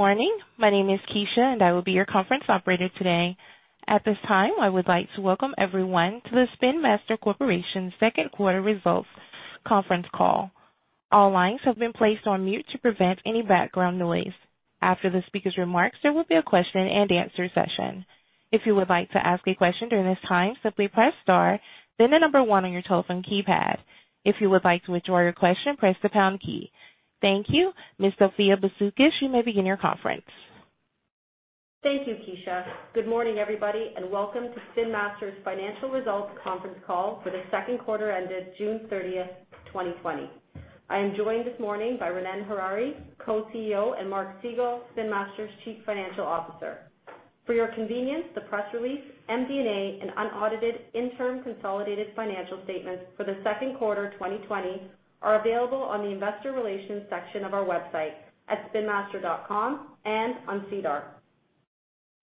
Morning. My name is Keisha. I will be your conference operator today. At this time, I would like to welcome everyone to the Spin Master Corp.'s Second Quarter Results Conference Call. All lines have been placed on mute to prevent any background noise. After the speaker's remarks, there will be a question-and-answer session. If you would like to ask a question during this time, simply press star, then the number 1 on your telephone keypad. If you would like to withdraw your question, press the pound key. Thank you. Ms. Sophia Bisoukis, you may begin your conference. Thank you, Keisha. Good morning, everybody, and welcome to Spin Master's financial results conference call for the second quarter ended June 30th, 2020. I am joined this morning by Ronnen Harary, Co-CEO, and Mark Segal, Spin Master's Chief Financial Officer. For your convenience, the press release, MD&A, and unaudited interim consolidated financial statements for the second quarter 2020 are available on the investor relations section of our website at spinmaster.com and on SEDAR.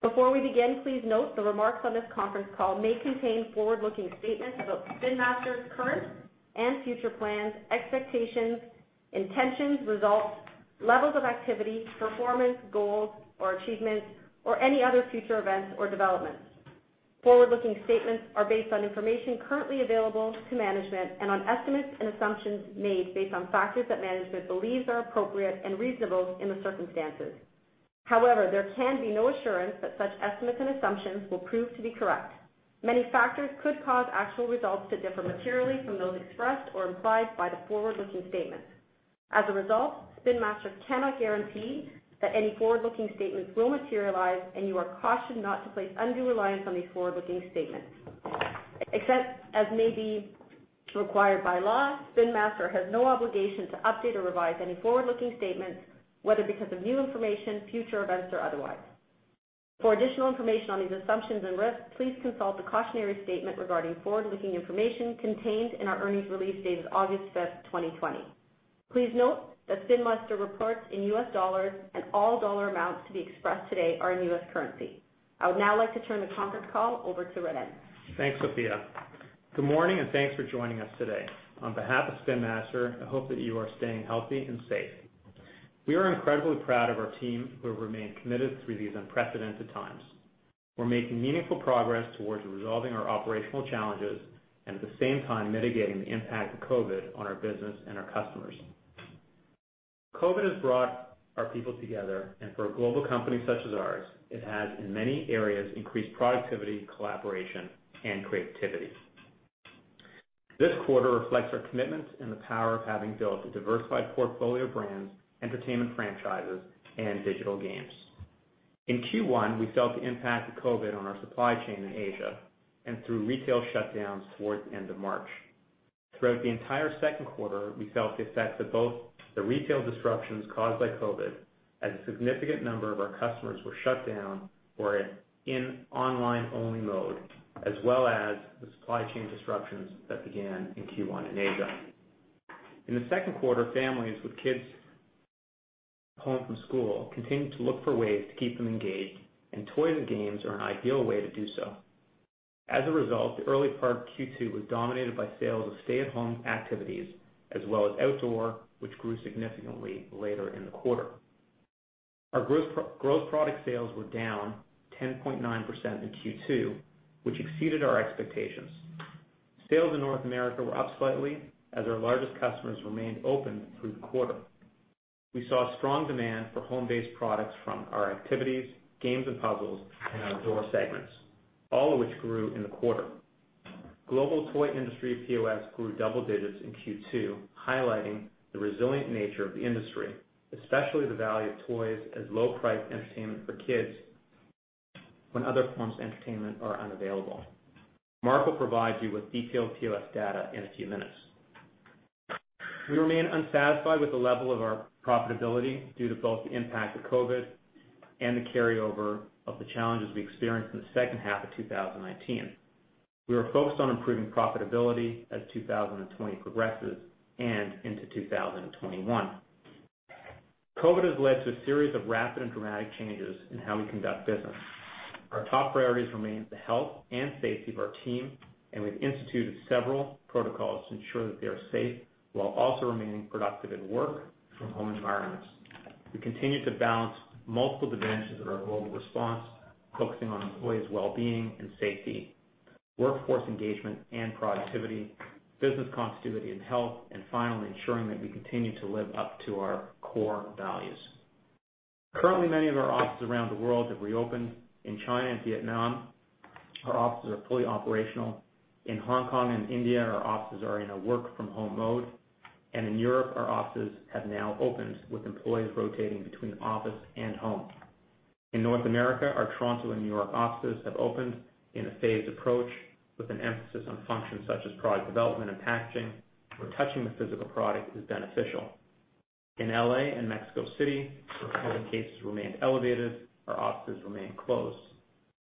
Before we begin, please note the remarks on this conference call may contain forward-looking statements about Spin Master's current and future plans, expectations, intentions, results, levels of activity, performance, goals or achievements, or any other future events or developments. Forward-looking statements are based on information currently available to management and on estimates and assumptions made based on factors that management believes are appropriate and reasonable in the circumstances. However, there can be no assurance that such estimates and assumptions will prove to be correct. Many factors could cause actual results to differ materially from those expressed or implied by the forward-looking statements. As a result, Spin Master cannot guarantee that any forward-looking statements will materialize, and you are cautioned not to place undue reliance on these forward-looking statements. Except as may be required by law, Spin Master has no obligation to update or revise any forward-looking statements, whether because of new information, future events, or otherwise. For additional information on these assumptions and risks, please consult the cautionary statement regarding forward-looking information contained in our earnings release dated August 5th, 2020. Please note that Spin Master reports in US dollars and all dollar amounts to be expressed today are in US currency. I would now like to turn the conference call over to Ronnen. Thanks, Sophia. Good morning, and thanks for joining us today. On behalf of Spin Master, I hope that you are staying healthy and safe. We are incredibly proud of our team who have remained committed through these unprecedented times. We're making meaningful progress towards resolving our operational challenges and at the same time mitigating the impact of COVID on our business and our customers. COVID has brought our people together, and for a global company such as ours, it has, in many areas, increased productivity, collaboration, and creativity. This quarter reflects our commitment and the power of having built a diversified portfolio of brands, entertainment franchises, and digital games. In Q1, we felt the impact of COVID on our supply chain in Asia and through retail shutdowns towards the end of March. Throughout the entire second quarter, we felt the effects of both the retail disruptions caused by COVID, as a significant number of our customers were shut down or in online-only mode, as well as the supply chain disruptions that began in Q1 in Asia. In the second quarter, families with kids home from school continued to look for ways to keep them engaged, and toys and games are an ideal way to do so. As a result, the early part of Q2 was dominated by sales of stay-at-home activities as well as outdoor, which grew significantly later in the quarter. Our gross product sales were down 10.9% in Q2, which exceeded our expectations. Sales in North America were up slightly as our largest customers remained open through the quarter. We saw strong demand for home-based products from our activities, games and puzzles, and outdoor segments, all of which grew in the quarter. Global toy industry POS grew double digits in Q2, highlighting the resilient nature of the industry, especially the value of toys as low-price entertainment for kids when other forms of entertainment are unavailable. Mark will provide you with detailed POS data in a few minutes. We remain unsatisfied with the level of our profitability due to both the impact of COVID and the carryover of the challenges we experienced in the second half of 2019. We are focused on improving profitability as 2020 progresses and into 2021. COVID has led to a series of rapid and dramatic changes in how we conduct business. Our top priorities remain the health and safety of our team, and we've instituted several protocols to ensure that they are safe while also remaining productive at work from home environments. We continue to balance multiple dimensions of our global response, focusing on employees' well-being and safety, workforce engagement and productivity, business continuity and health, and finally ensuring that we continue to live up to our core values. Currently, many of our offices around the world have reopened. In China and Vietnam, our offices are fully operational. In Hong Kong and India, our offices are in a work from home mode. In Europe, our offices have now opened with employees rotating between office and home. In North America, our Toronto and New York offices have opened in a phased approach with an emphasis on functions such as product development and packaging, where touching the physical product is beneficial. In L.A. and Mexico City, where COVID cases remained elevated, our offices remain closed.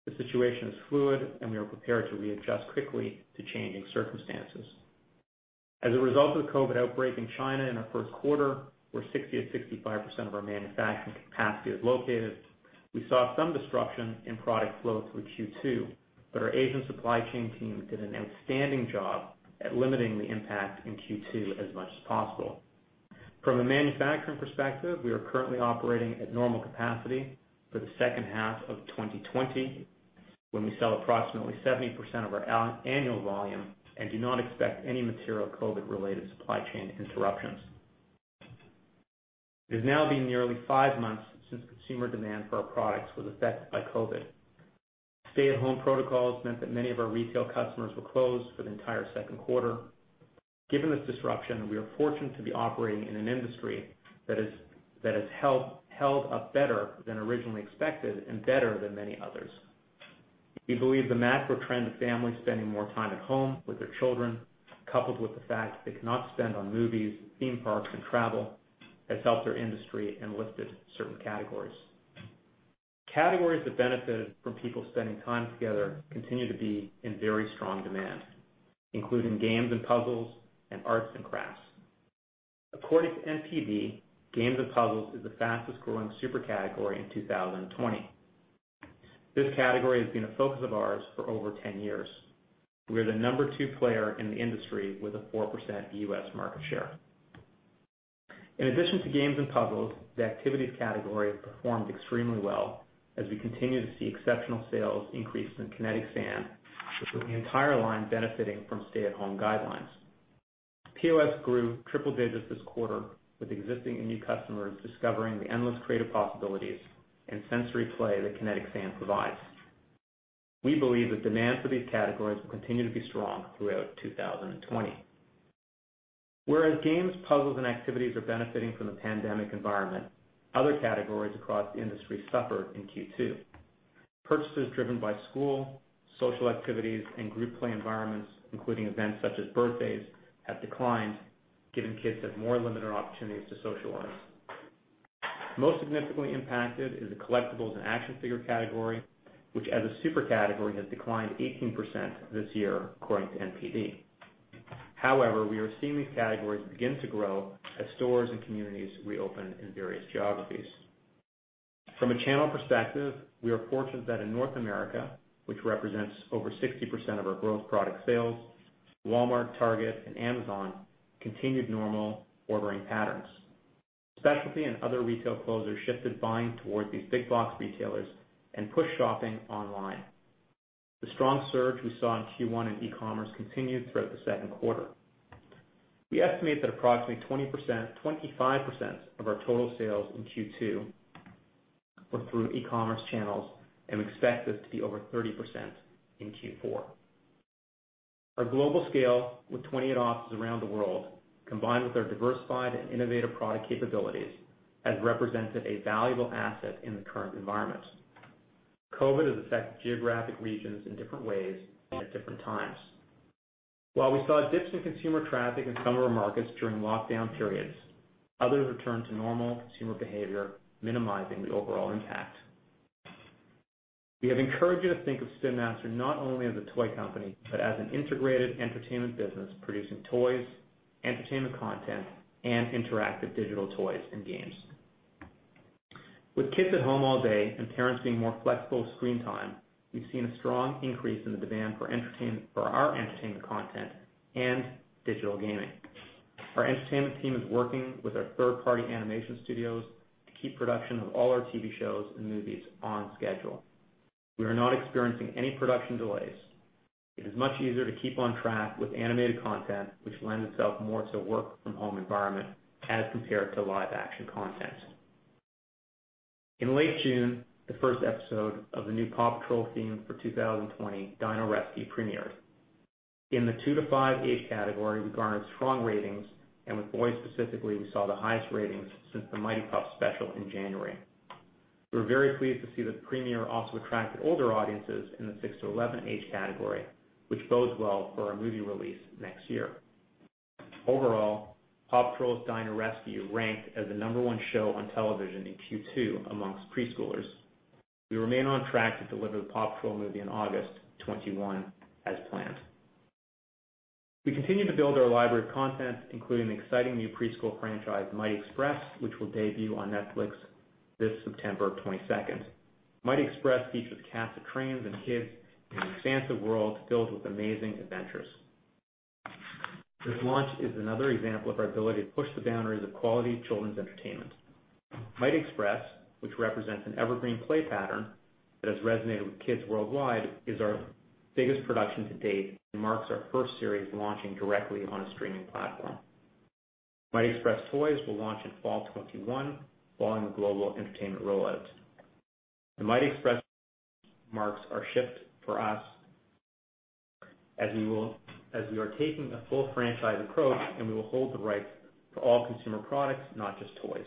The situation is fluid, and we are prepared to readjust quickly to changing circumstances. As a result of the COVID outbreak in China in our first quarter, where 60%-65% of our manufacturing capacity is located. We saw some disruption in product flow through Q2, but our Asian supply chain team did an outstanding job at limiting the impact in Q2 as much as possible. From a manufacturing perspective, we are currently operating at normal capacity for the second half of 2020, when we sell approximately 70% of our annual volume and do not expect any material COVID related supply chain interruptions. It has now been nearly five months since consumer demand for our products was affected by COVID. Stay-at-home protocols meant that many of our retail customers were closed for the entire second quarter. Given this disruption, we are fortunate to be operating in an industry that has held up better than originally expected and better than many others. We believe the macro trend of families spending more time at home with their children, coupled with the fact they cannot spend on movies, theme parks, and travel, has helped our industry and lifted certain categories. Categories that benefited from people spending time together continue to be in very strong demand, including games and puzzles and arts and crafts. According to NPD, games and puzzles is the fastest growing super category in 2020. This category has been a focus of ours for over 10 years. We are the number 2 player in the industry with a 4% U.S. market share. In addition to games and puzzles, the activities category has performed extremely well as we continue to see exceptional sales increases in Kinetic Sand, with the entire line benefiting from stay-at-home guidelines. POS grew triple digits this quarter with existing and new customers discovering the endless creative possibilities and sensory play that Kinetic Sand provides. We believe that demand for these categories will continue to be strong throughout 2020. Games, puzzles, and activities are benefiting from the pandemic environment, other categories across the industry suffered in Q2. Purchases driven by school, social activities, and group play environments, including events such as birthdays, have declined, given kids have more limited opportunities to socialize. Most significantly impacted is the collectibles and action figure category, which as a super category, has declined 18% this year according to NPD. However, we are seeing these categories begin to grow as stores and communities reopen in various geographies. From a channel perspective, we are fortunate that in North America, which represents over 60% of our growth product sales, Walmart, Target, and Amazon continued normal ordering patterns. Specialty and other retail closures shifted buying towards these big box retailers and pushed shopping online. The strong surge we saw in Q1 in e-commerce continued throughout the second quarter. We estimate that approximately 25% of our total sales in Q2 were through e-commerce channels, and we expect this to be over 30% in Q4. Our global scale with 28 offices around the world, combined with our diversified and innovative product capabilities, has represented a valuable asset in the current environment. COVID has affected geographic regions in different ways and at different times. While we saw dips in consumer traffic in some of our markets during lockdown periods, others returned to normal consumer behavior, minimizing the overall impact. We have encouraged you to think of Spin Master not only as a toy company, but as an integrated entertainment business producing toys, entertainment content, and interactive digital toys and games. With kids at home all day and parents being more flexible with screen time, we've seen a strong increase in the demand for our entertainment content and digital gaming. Our entertainment team is working with our third party animation studios to keep production of all our TV shows and movies on schedule. We are not experiencing any production delays. It is much easier to keep on track with animated content, which lends itself more to a work from home environment as compared to live action content. In late June, the first episode of the new PAW Patrol theme for 2020, Dino Rescue, premiered. In the 2 to 5 age category, we garnered strong ratings, and with boys specifically, we saw the highest ratings since the Mighty Pups special in January. We were very pleased to see the premiere also attracted older audiences in the 6 to 11 age category, which bodes well for our movie release next year. Overall, PAW Patrol's Dino Rescue ranked as the number one show on television in Q2 amongst preschoolers. We remain on track to deliver the PAW Patrol movie in August 2021 as planned. We continue to build our library of content, including the exciting new preschool franchise, Mighty Express, which will debut on Netflix this September 22nd. Mighty Express features cast of trains and kids in an expansive world filled with amazing adventures. This launch is another example of our ability to push the boundaries of quality children's entertainment. Mighty Express, which represents an evergreen play pattern that has resonated with kids worldwide, is our biggest production to date and marks our first series launching directly on a streaming platform. Mighty Express toys will launch in fall 2021 following the global entertainment rollout. The Mighty Express marks our shift for us as we are taking a full franchise approach, and we will hold the rights for all consumer products, not just toys.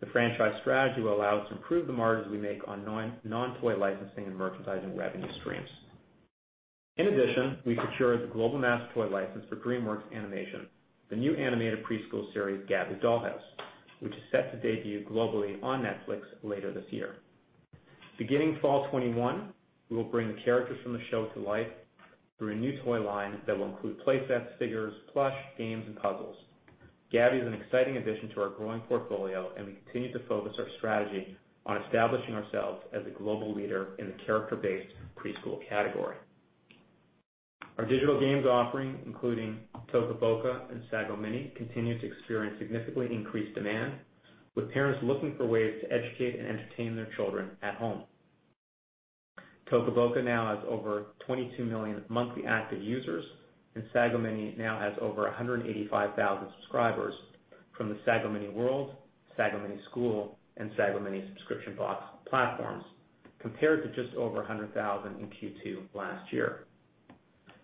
The franchise strategy will allow us to improve the margins we make on non-toy licensing and merchandising revenue streams. In addition, we've secured the global master toy license for DreamWorks Animation, the new animated preschool series, Gabby's Dollhouse, which is set to debut globally on Netflix later this year. Beginning fall 2021, we will bring the characters from the show to life through a new toy line that will include play sets, figures, plush, games, and puzzles. Gabby is an exciting addition to our growing portfolio, and we continue to focus our strategy on establishing ourselves as a global leader in the character-based preschool category. Our digital games offering, including Toca Boca and Sago Mini, continue to experience significantly increased demand, with parents looking for ways to educate and entertain their children at home. Toca Boca now has over 22 million monthly active users, and Sago Mini now has over 185,000 subscribers from the Sago Mini World, Sago Mini School, and Sago Mini subscription box platforms, compared to just over 100,000 in Q2 last year.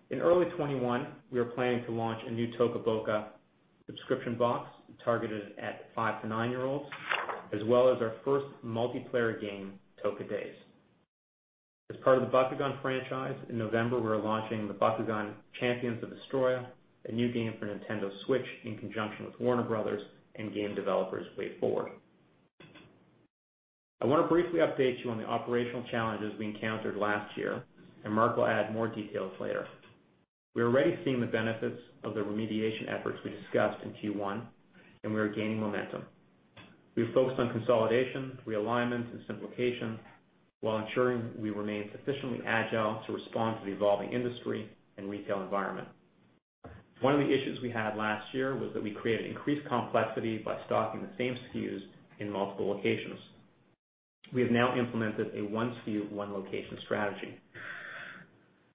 In early 2021, we are planning to launch a new Toca Boca subscription box targeted at five to nine-year-olds, as well as our first multiplayer game, Toca Days. As part of the Bakugan franchise, in November, we're launching the Bakugan: Champions of Vestroia, a new game for Nintendo Switch in conjunction with Warner Bros. and game developers WayForward. I want to briefly update you on the operational challenges we encountered last year, and Mark will add more details later. We're already seeing the benefits of the remediation efforts we discussed in Q1, and we are gaining momentum. We've focused on consolidation, realignment, and simplification while ensuring we remain sufficiently agile to respond to the evolving industry and retail environment. One of the issues we had last year was that we created increased complexity by stocking the same SKUs in multiple locations. We have now implemented a one SKU, one location strategy.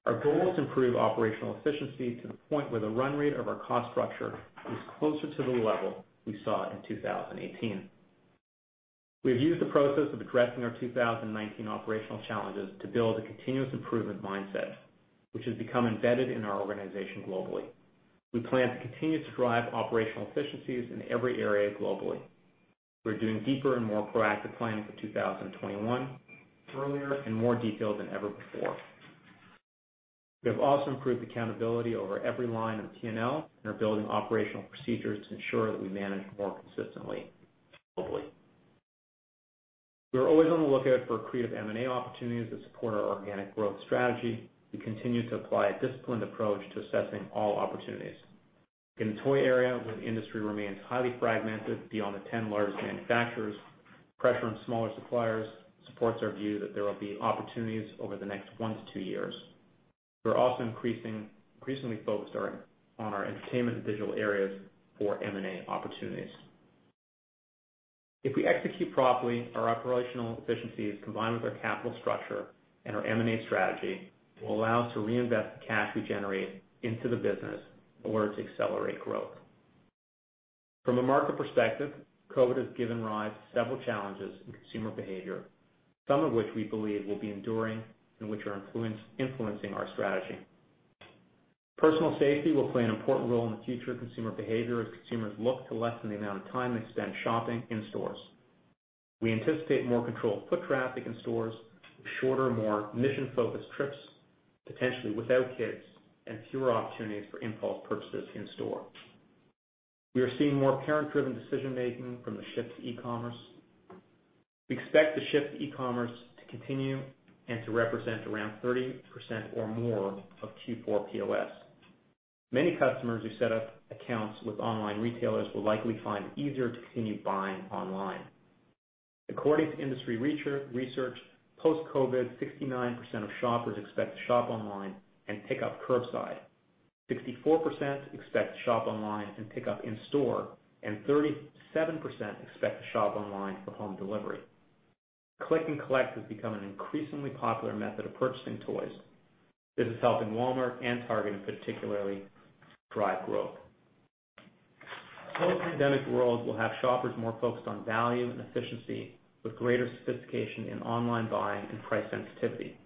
Our goal is to improve operational efficiency to the point where the run rate of our cost structure is closer to the level we saw in 2018. We have used the process of addressing our 2019 operational challenges to build a continuous improvement mindset, which has become embedded in our organization globally. We plan to continue to drive operational efficiencies in every area globally. We're doing deeper and more proactive planning for 2021, earlier and more detailed than ever before. We have also improved accountability over every line of P&L and are building operational procedures to ensure that we manage more consistently globally. We are always on the lookout for creative M&A opportunities that support our organic growth strategy. We continue to apply a disciplined approach to assessing all opportunities. In the toy area where the industry remains highly fragmented beyond the 10 largest manufacturers, pressure on smaller suppliers supports our view that there will be opportunities over the next one to two years. We're also increasingly focused on our entertainment and digital areas for M&A opportunities. If we execute properly, our operational efficiencies, combined with our capital structure and our M&A strategy, will allow us to reinvest the cash we generate into the business in order to accelerate growth. From a market perspective, COVID has given rise to several challenges in consumer behavior, some of which we believe will be enduring and which are influencing our strategy. Personal safety will play an important role in the future of consumer behavior as consumers look to lessen the amount of time they spend shopping in stores. We anticipate more controlled foot traffic in stores with shorter, more mission-focused trips, potentially without kids, and fewer opportunities for impulse purchases in-store. We are seeing more parent-driven decision-making from the shift to e-commerce. We expect the shift to e-commerce to continue and to represent around 30% or more of Q4 POS. Many customers who set up accounts with online retailers will likely find it easier to continue buying online. According to industry research, post-COVID, 69% of shoppers expect to shop online and pick up curbside. 64% expect to shop online and pick up in-store, and 37% expect to shop online for home delivery. Click and collect has become an increasingly popular method of purchasing toys. This has helped in Walmart and Target in particular to drive growth. A post-pandemic world will have shoppers more focused on value and efficiency, with greater sophistication in online buying and price sensitivity.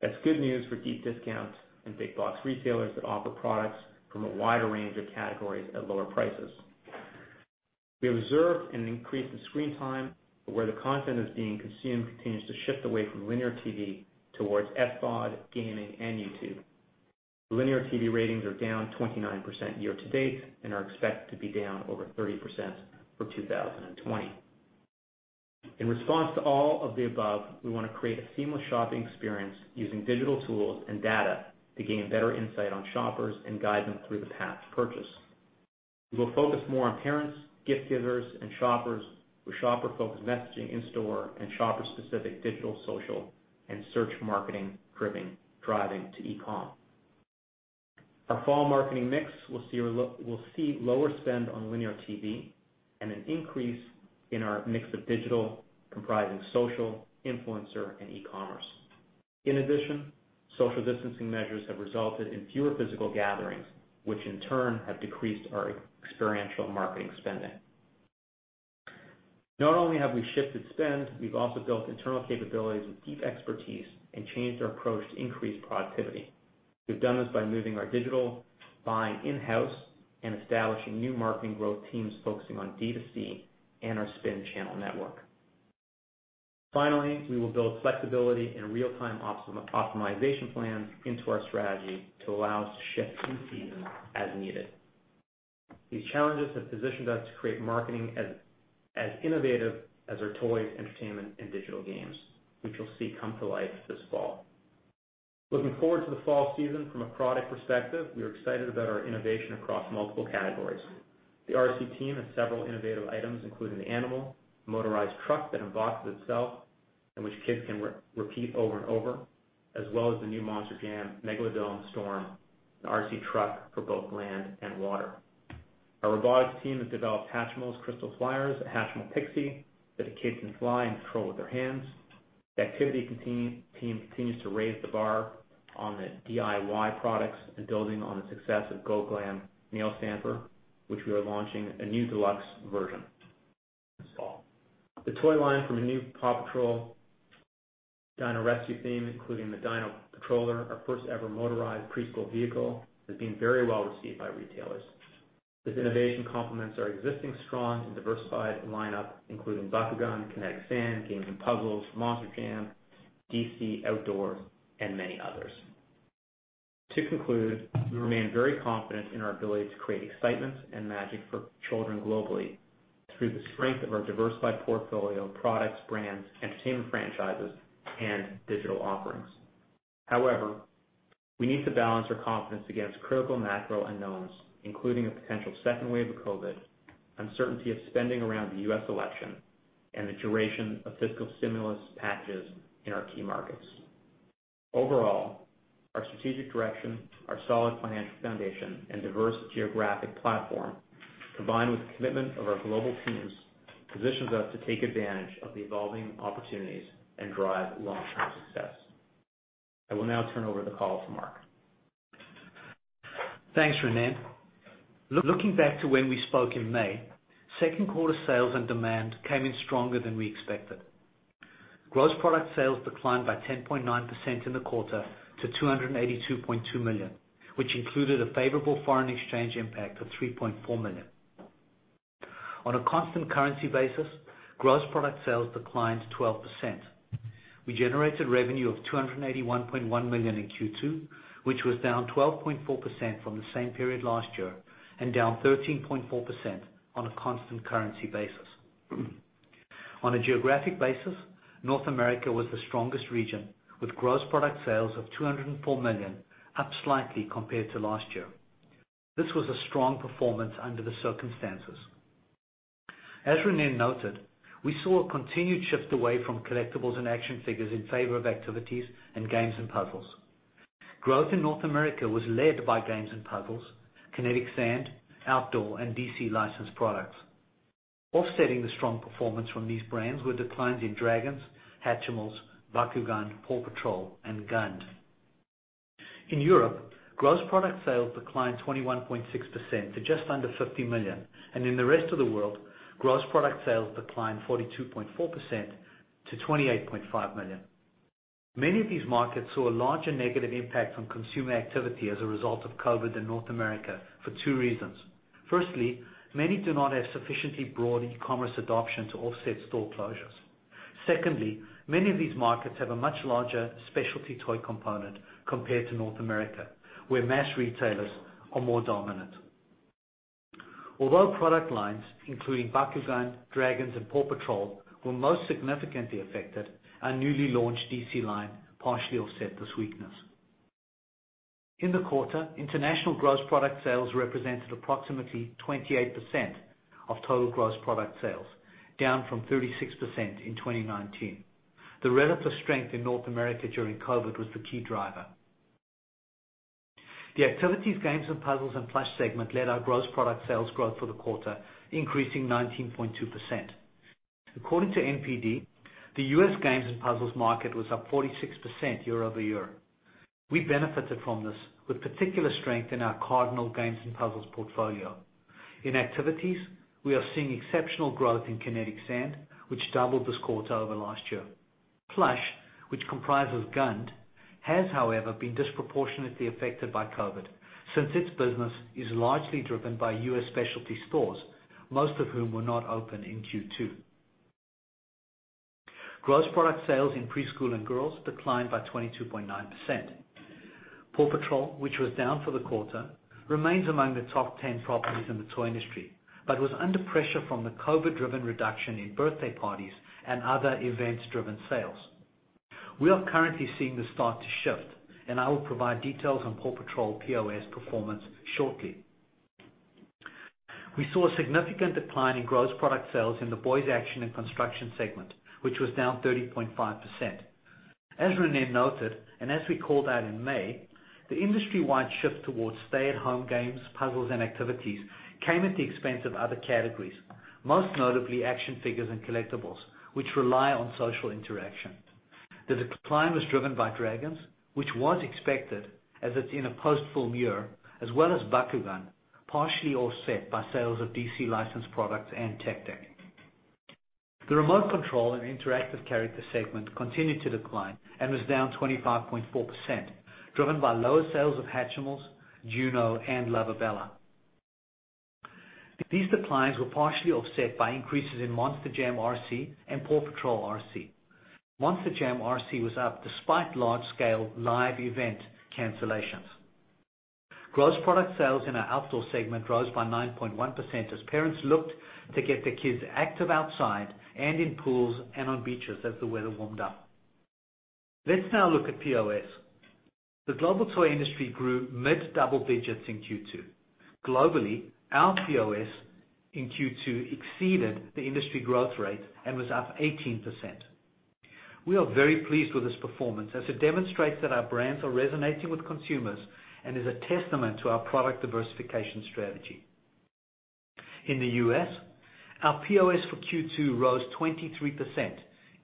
That's good news for deep discounts and big box retailers that offer products from a wider range of categories at lower prices. Where the content is being consumed continues to shift away from linear TV towards SVOD, gaming, and YouTube. Linear TV ratings are down 29% year to date and are expected to be down over 30% for 2020. In response to all of the above, we want to create a seamless shopping experience using digital tools and data to gain better insight on shoppers and guide them through the path to purchase. We will focus more on parents, gift-givers, and shoppers with shopper-focused messaging in store and shopper-specific digital, social, and search marketing driving to e-com. Our fall marketing mix will see lower spend on linear TV and an increase in our mix of digital, comprising social, influencer, and e-commerce. In addition, social distancing measures have resulted in fewer physical gatherings, which in turn have decreased our experiential marketing spending. Not only have we shifted spend, we've also built internal capabilities with deep expertise and changed our approach to increase productivity. We've done this by moving our digital buying in-house and establishing new marketing growth teams focusing on D2C and our Spin channel network. Finally, we will build flexibility and real-time optimization plans into our strategy to allow us to shift in season as needed. These challenges have positioned us to create marketing as innovative as our toys, entertainment, and digital games, which you'll see come to life this fall. Looking forward to the fall season from a product perspective, we are excited about our innovation across multiple categories. The RC team has several innovative items, including The Animal motorized truck that unboxes itself and which kids can repeat over and over, as well as the new Monster Jam Megalodon Storm, an RC truck for both land and water. Our robotics team has developed Hatchimals Crystal Flyers, a Hatchimals Pixie that the kids can fly and control with their hands. The activity team continues to raise the bar on the DIY products and building on the success of GO GLAM Nail Stamper, which we are launching a new deluxe version this fall. The toy line from a new PAW Patrol Dino Rescue theme, including the PAW patrol Dino Patroller, our first ever motorized preschool vehicle, has been very well received by retailers. This innovation complements our existing strong and diversified lineup, including Bakugan, Kinetic Sand, games and puzzles, Monster Jam, DC, outdoor, and many others. To conclude, we remain very confident in our ability to create excitement and magic for children globally through the strength of our diversified portfolio of products, brands, entertainment franchises, and digital offerings. However, we need to balance our confidence against critical macro unknowns, including a potential second wave of COVID, uncertainty of spending around the U.S. election, and the duration of fiscal stimulus packages in our key markets. Overall, our strategic direction, our solid financial foundation, and diverse geographic platform, combined with the commitment of our global teams, positions us to take advantage of the evolving opportunities and drive long-term success. I will now turn over the call to Mark. Thanks, Ronnen. Looking back to when we spoke in May, second quarter sales and demand came in stronger than we expected. Gross product sales declined by 10.9% in the quarter to $282.2 million, which included a favorable foreign exchange impact of $3.4 million. On a constant currency basis, gross product sales declined 12%. We generated revenue of $281.1 million in Q2, which was down 12.4% from the same period last year and down 13.4% on a constant currency basis. On a geographic basis, North America was the strongest region, with gross product sales of $204 million, up slightly compared to last year. This was a strong performance under the circumstances. As Ronnen noted, we saw a continued shift away from collectibles and action figures in favor of activities and games and puzzles. Growth in North America was led by games and puzzles, Kinetic Sand, outdoor, and DC licensed products. Offsetting the strong performance from these brands were declines in Dragons, Hatchimals, Bakugan, PAW Patrol, and GUND. In Europe, gross product sales declined 21.6% to just under $50 million, and in the rest of the world, gross product sales declined 42.4% to $28.5 million. Many of these markets saw a larger negative impact on consumer activity as a result of COVID than North America for two reasons. Firstly, many do not have sufficiently broad e-commerce adoption to offset store closures. Secondly, many of these markets have a much larger specialty toy component compared to North America, where mass retailers are more dominant. Although product lines including Bakugan, Dragons, and PAW Patrol were most significantly affected, our newly launched DC line partially offset this weakness. In the quarter, international gross product sales represented approximately 28% of total gross product sales, down from 36% in 2019. The relative strength in North America during COVID was the key driver. The activities, games and puzzles, and plush segment led our gross product sales growth for the quarter, increasing 19.2%. According to NPD, the U.S. games and puzzles market was up 46% year-over-year. We benefited from this with particular strength Cardinal Games and puzzles portfolio. in activities, we are seeing exceptional growth in Kinetic Sand, which doubled this quarter over last year. Plush, which comprises GUND, has however, been disproportionately affected by COVID, since its business is largely driven by U.S. specialty stores, most of whom were not open in Q2. Gross product sales in preschool and girls declined by 22.9%. PAW Patrol, which was down for the quarter, remains among the top 10 properties in the toy industry, but was under pressure from the COVID-driven reduction in birthday parties and other events-driven sales. We are currently seeing the start to shift. I will provide details on PAW Patrol POS performance shortly. We saw a significant decline in gross product sales in the boys action and construction segment, which was down 30.5%. As Ronnen noted, as we called out in May, the industry-wide shift towards stay-at-home games, puzzles, and activities came at the expense of other categories, most notably action figures and collectibles, which rely on social interaction. The decline was driven by Dragons, which was expected as it's in a post-film year, as well as Bakugan, partially offset by sales of DC licensed products and Tech Deck. The remote control and interactive character segment continued to decline and was down 25.4%, driven by lower sales of Hatchimals, Juno, and Luvabella. These declines were partially offset by increases in Monster Jam RC and PAW Patrol RC. Monster Jam RC was up despite large-scale live event cancellations. Gross product sales in our outdoor segment rose by 9.1% as parents looked to get their kids active outside and in pools and on beaches as the weather warmed up. Let's now look at POS. The global toy industry grew mid double digits in Q2. Globally, our POS in Q2 exceeded the industry growth rate and was up 18%. We are very pleased with this performance as it demonstrates that our brands are resonating with consumers and is a testament to our product diversification strategy. In the U.S., our POS for Q2 rose 23%,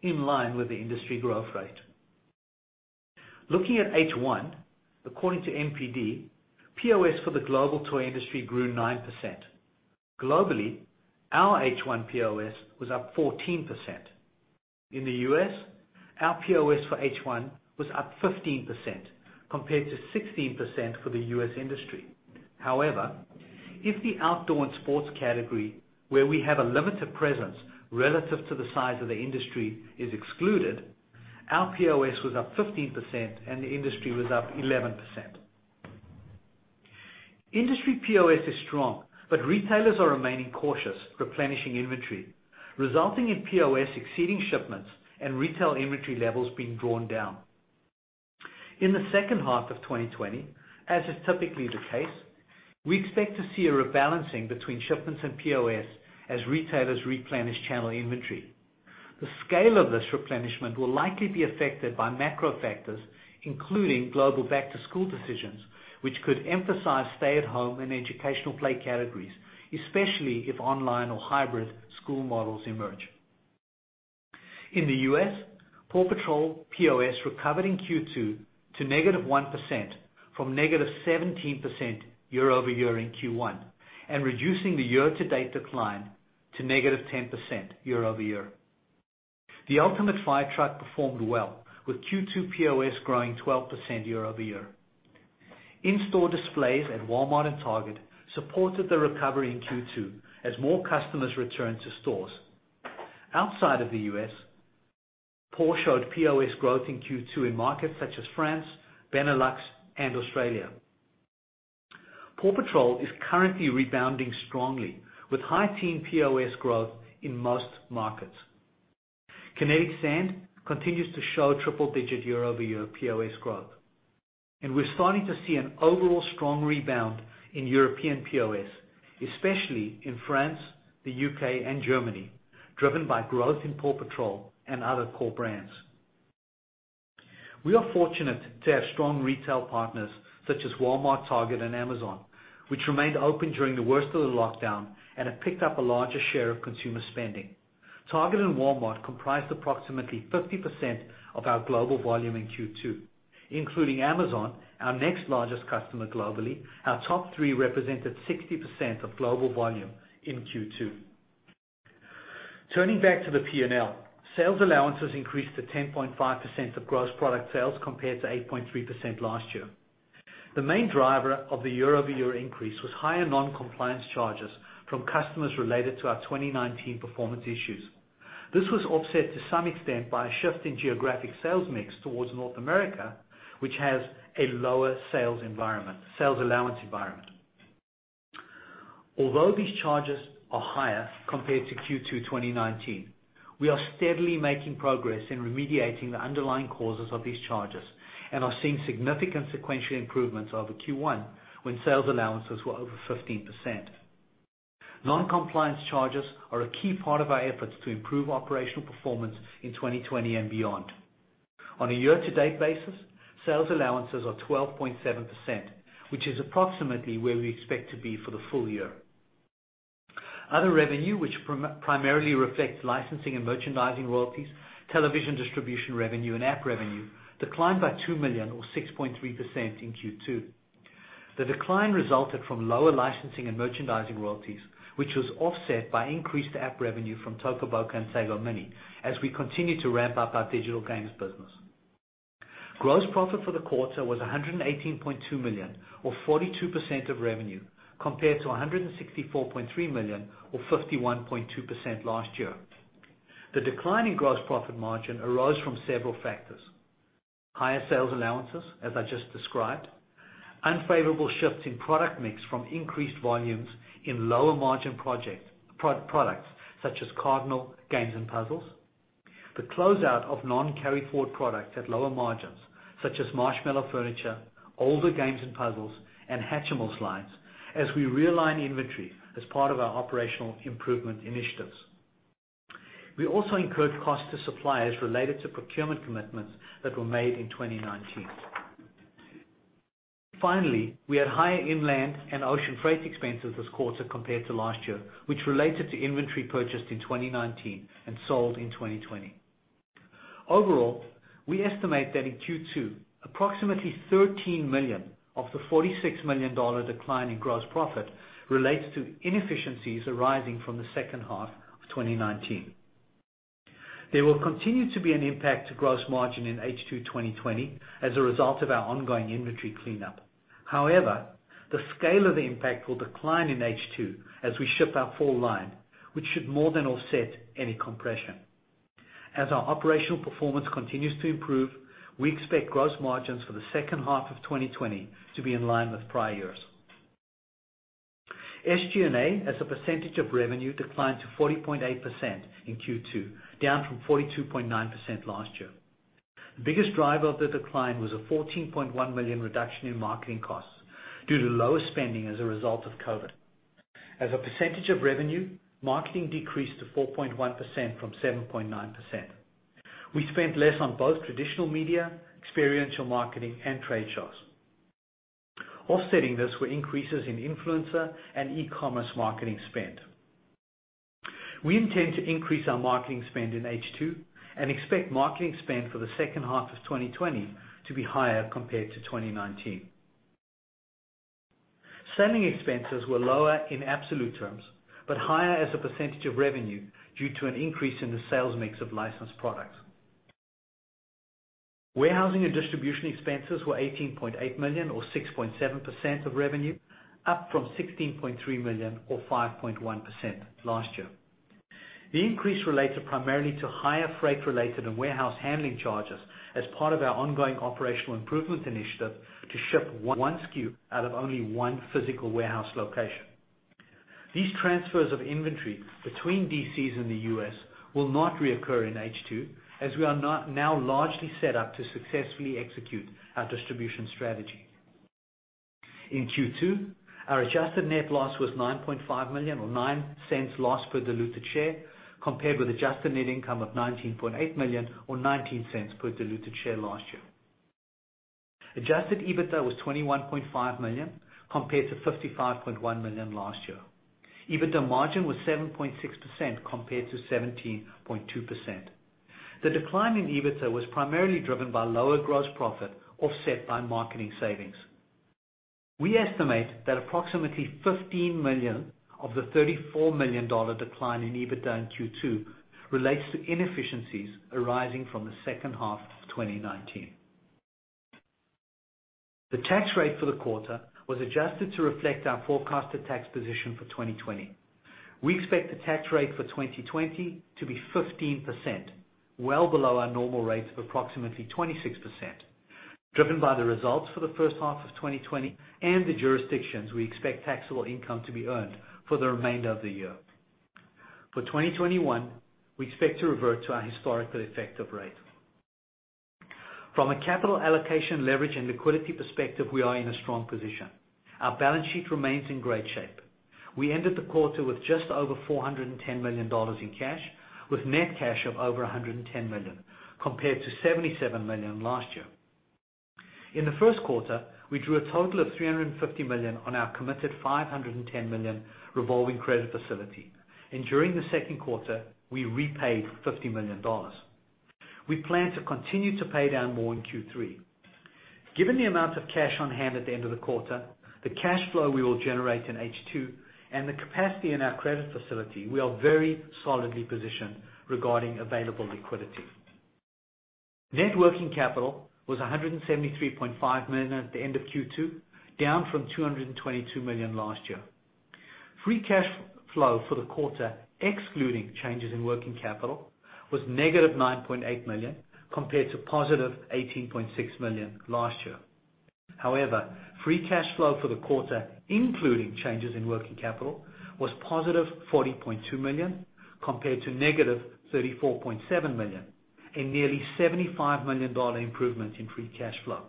in line with the industry growth rate. Looking at H1, according to NPD, POS for the global toy industry grew 9%. Globally, our H1 POS was up 14%. In the U.S., our POS for H1 was up 15% compared to 16% for the U.S. industry. If the outdoor and sports category, where we have a limited presence relative to the size of the industry, is excluded, our POS was up 15% and the industry was up 11%. Industry POS is strong, retailers are remaining cautious replenishing inventory, resulting in POS exceeding shipments and retail inventory levels being drawn down. In the second half of 2020, as is typically the case, we expect to see a rebalancing between shipments and POS as retailers replenish channel inventory. The scale of this replenishment will likely be affected by macro factors, including global back-to-school decisions, which could emphasize stay-at-home and educational play categories, especially if online or hybrid school models emerge. In the U.S., PAW Patrol POS recovered in Q2 to negative 1% from negative 17% year-over-year in Q1 and reducing the year-to-date decline to negative 10% year-over-year. The Ultimate Fire Truck performed well with Q2 POS growing 12% year-over-year. In-store displays at Walmart and Target supported the recovery in Q2 as more customers returned to stores. Outside of the U.S., PAW showed POS growth in Q2 in markets such as France, Benelux, and Australia. PAW Patrol is currently rebounding strongly with high teen POS growth in most markets. Kinetic Sand continues to show triple digit year-over-year POS growth. We're starting to see an overall strong rebound in European POS, especially in France, the U.K., and Germany, driven by growth in PAW Patrol and other core brands. We are fortunate to have strong retail partners such as Walmart, Target, and Amazon, which remained open during the worst of the lockdown and have picked up a larger share of consumer spending. Target and Walmart comprised approximately 50% of our global volume in Q2, including Amazon, our next largest customer globally. Our top three represented 60% of global volume in Q2. Turning back to the P&L. Sales allowances increased to 10.5% of gross product sales compared to 8.3% last year. The main driver of the year-over-year increase was higher non-compliance charges from customers related to our 2019 performance issues. This was offset to some extent by a shift in geographic sales mix towards North America, which has a lower sales allowance environment. Although these charges are higher compared to Q2 2019, we are steadily making progress in remediating the underlying causes of these charges and are seeing significant sequential improvements over Q1 when sales allowances were over 15%. Non-compliance charges are a key part of our efforts to improve operational performance in 2020 and beyond. On a year-to-date basis, sales allowances are 12.7%, which is approximately where we expect to be for the full-year. Other revenue, which primarily reflects licensing and merchandising royalties, television distribution revenue, and app revenue, declined by $2 million or 6.3% in Q2. The decline resulted from lower licensing and merchandising royalties, which was offset by increased app revenue from Toca Boca and Sago Mini as we continue to ramp up our digital games business. Gross profit for the quarter was $118.2 million or 42% of revenue compared to $164.3 million or 51.2% last year. The decline in gross profit margin arose from several factors. Higher sales allowances, as I just described, unfavorable shifts in product mix from increased volumes in lower margin products Cardinal Games and puzzles, the closeout of non-carry forward products at lower margins such as Marshmallow Furniture, older games and puzzles, and Hatchimals lines as we realign inventory as part of our operational improvement initiatives. We also incurred costs to suppliers related to procurement commitments that were made in 2019. Finally, we had higher inland and ocean freight expenses this quarter compared to last year, which related to inventory purchased in 2019 and sold in 2020. Overall, we estimate that in Q2, approximately $13 million of the $46 million decline in gross profit relates to inefficiencies arising from the second half of 2019. There will continue to be an impact to gross margin in H2 2020 as a result of our ongoing inventory cleanup. The scale of the impact will decline in H2 as we ship our fall line, which should more than offset any compression. As our operational performance continues to improve, we expect gross margins for the second half of 2020 to be in line with prior years. SG&A as a percentage of revenue declined to 40.8% in Q2, down from 42.9% last year. The biggest driver of the decline was a $14.1 million reduction in marketing costs due to lower spending as a result of COVID. As a percentage of revenue, marketing decreased to 4.1% from 7.9%. We spent less on both traditional media, experiential marketing, and trade shows. Offsetting this were increases in influencer and e-commerce marketing spend. We intend to increase our marketing spend in H2 and expect marketing spend for the second half of 2020 to be higher compared to 2019. Selling expenses were lower in absolute terms, but higher as a percentage of revenue due to an increase in the sales mix of licensed products. Warehousing and distribution expenses were $18.8 million, or 6.7% of revenue, up from $16.3 million, or 5.1% last year. The increase related primarily to higher freight-related and warehouse handling charges as part of our ongoing operational improvement initiative to ship one SKU out of only one physical warehouse location. These transfers of inventory between DCs in the U.S. will not reoccur in H2, as we are now largely set up to successfully execute our distribution strategy. In Q2, our adjusted net loss was $9.5 million, or $0.09 loss per diluted share, compared with adjusted net income of $19.8 million, or $0.19 per diluted share last year. Adjusted EBITDA was $21.5 million, compared to $55.1 million last year. EBITDA margin was 7.6%, compared to 17.2%. The decline in EBITDA was primarily driven by lower gross profit, offset by marketing savings. We estimate that approximately $15 million of the $34 million decline in EBITDA in Q2 relates to inefficiencies arising from the second half of 2019. The tax rate for the quarter was adjusted to reflect our forecasted tax position for 2020. We expect the tax rate for 2020 to be 15%, well below our normal rate of approximately 26%, driven by the results for the first half of 2020 and the jurisdictions we expect taxable income to be earned for the remainder of the year. For 2021, we expect to revert to our historical effective rate. From a capital allocation, leverage, and liquidity perspective, we are in a strong position. Our balance sheet remains in great shape. We ended the quarter with just over $410 million in cash, with net cash of over $110 million, compared to $77 million last year. In the first quarter, we drew a total of $350 million on our committed $510 million revolving credit facility, and during the second quarter, we repaid $50 million. We plan to continue to pay down more in Q3. Given the amount of cash on hand at the end of the quarter, the cash flow we will generate in H2, and the capacity in our credit facility, we are very solidly positioned regarding available liquidity. Net working capital was $173.5 million at the end of Q2, down from $222 million last year. Free cash flow for the quarter, excluding changes in working capital, was negative $9.8 million, compared to positive $18.6 million last year. Free cash flow for the quarter, including changes in working capital, was positive $40.2 million, compared to negative $34.7 million, a nearly $75 million improvement in free cash flow.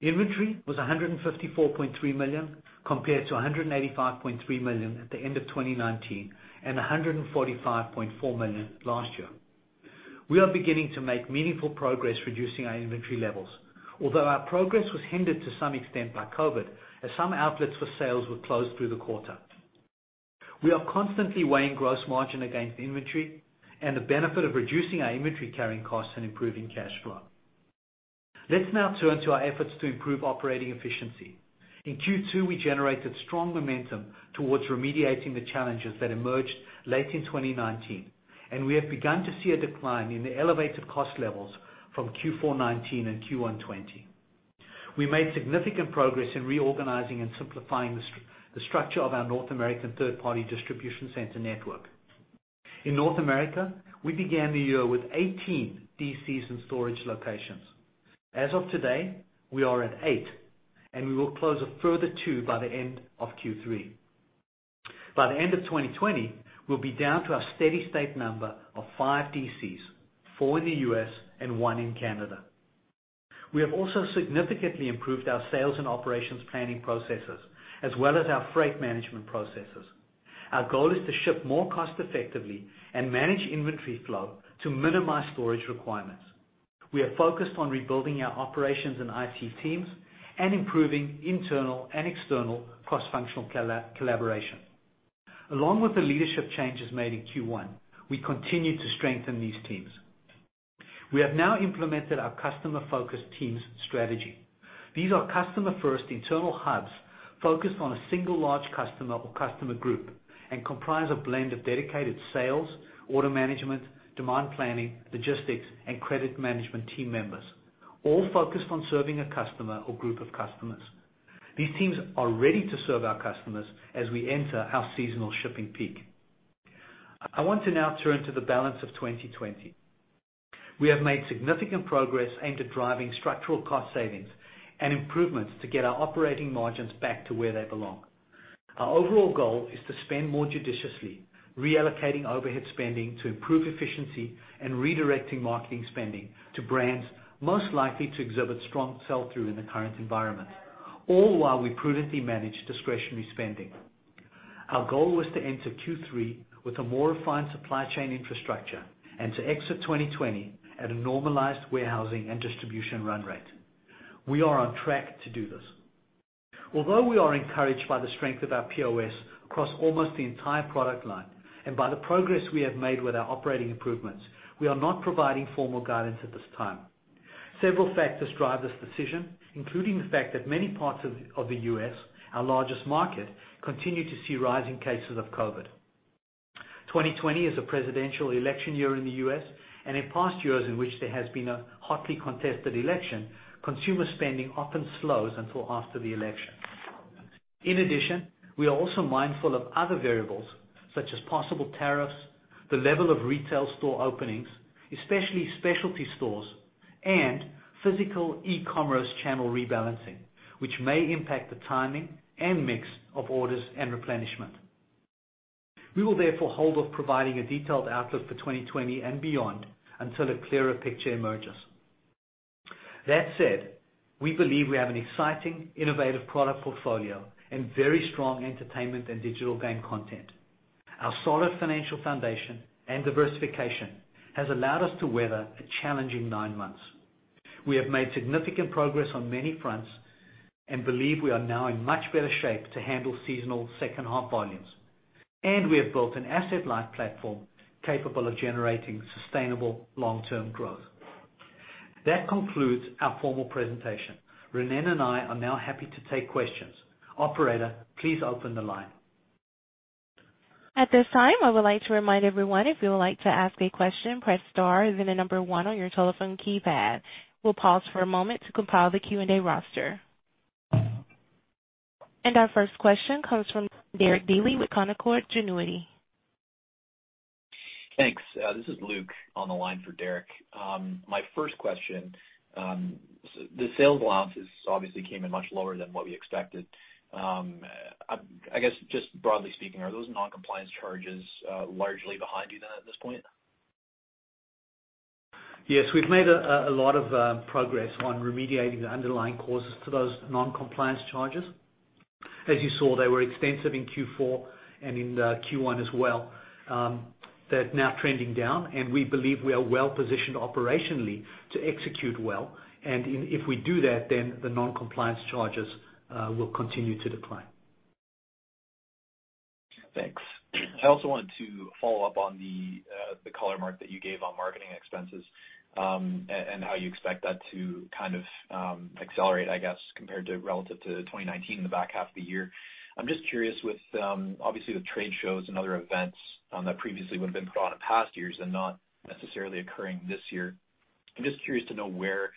Inventory was $154.3 million, compared to $185.3 million at the end of 2019 and $145.4 million last year. We are beginning to make meaningful progress reducing our inventory levels, although our progress was hindered to some extent by COVID, as some outlets for sales were closed through the quarter. We are constantly weighing gross margin against inventory and the benefit of reducing our inventory carrying costs and improving cash flow. Let's now turn to our efforts to improve operating efficiency. In Q2, we generated strong momentum towards remediating the challenges that emerged late in 2019. We have begun to see a decline in the elevated cost levels from Q4 2019 and Q1 2020. We made significant progress in reorganizing and simplifying the structure of our North American third-party distribution center network. In North America, we began the year with 18 DCs and storage locations. As of today, we are at eight, and we will close a further two by the end of Q3. By the end of 2020, we'll be down to our steady-state number of five DCs, four in the U.S. and one in Canada. We have also significantly improved our sales and operations planning processes, as well as our freight management processes. Our goal is to ship more cost effectively and manage inventory flow to minimize storage requirements. We are focused on rebuilding our operations and IT teams and improving internal and external cross-functional collaboration. Along with the leadership changes made in Q1, we continue to strengthen these teams. We have now implemented our customer-focused teams strategy. These are customer-first internal hubs focused on a single large customer or customer group and comprise a blend of dedicated sales, order management, demand planning, logistics, and credit management team members, all focused on serving a customer or group of customers. These teams are ready to serve our customers as we enter our seasonal shipping peak. I want to now turn to the balance of 2020. We have made significant progress aimed at driving structural cost savings and improvements to get our operating margins back to where they belong. Our overall goal is to spend more judiciously, reallocating overhead spending to improve efficiency and redirecting marketing spending to brands most likely to exhibit strong sell-through in the current environment, all while we prudently manage discretionary spending. Our goal was to enter Q3 with a more refined supply chain infrastructure and to exit 2020 at a normalized warehousing and distribution run rate. We are on track to do this. Although we are encouraged by the strength of our POS across almost the entire product line and by the progress we have made with our operating improvements, we are not providing formal guidance at this time. Several factors drive this decision, including the fact that many parts of the U.S., our largest market, continue to see rising cases of COVID. 2020 is a presidential election year in the U.S., and in past years in which there has been a hotly contested election, consumer spending often slows until after the election. In addition, we are also mindful of other variables such as possible tariffs, the level of retail store openings, especially specialty stores, and physical e-commerce channel rebalancing, which may impact the timing and mix of orders and replenishment. We will hold off providing a detailed outlook for 2020 and beyond until a clearer picture emerges. That said, we believe we have an exciting, innovative product portfolio and very strong entertainment and digital game content. Our solid financial foundation and diversification has allowed us to weather a challenging nine months. We have made significant progress on many fronts and believe we are now in much better shape to handle seasonal second half volumes. We have built an asset-light platform capable of generating sustainable long-term growth. That concludes our formal presentation. Ronnen and I are now happy to take questions. Operator, please open the line. At this time, I would like to remind everyone if you would like to ask a question, press star, then the number one on your telephone keypad. We'll pause for a moment to compile the Q&A roster. Our first question comes from Derek Dley with Canaccord Genuity. Thanks. This is Luke on the line for Derek. My first question. The sales allowances obviously came in much lower than what we expected. I guess, just broadly speaking, are those non-compliance charges largely behind you then at this point? Yes. We've made a lot of progress on remediating the underlying causes to those non-compliance charges. As you saw, they were extensive in Q4 and in Q1 as well. They're now trending down. We believe we are well-positioned operationally to execute well. If we do that, the non-compliance charges will continue to decline. Thanks. I also wanted to follow up on the color, Mark, that you gave on marketing expenses, and how you expect that to accelerate, I guess, compared to relative to 2019 in the back half of the year. I am just curious with, obviously, with trade shows and other events that previously would have been put on in past years and not necessarily occurring this year. I am just curious to know where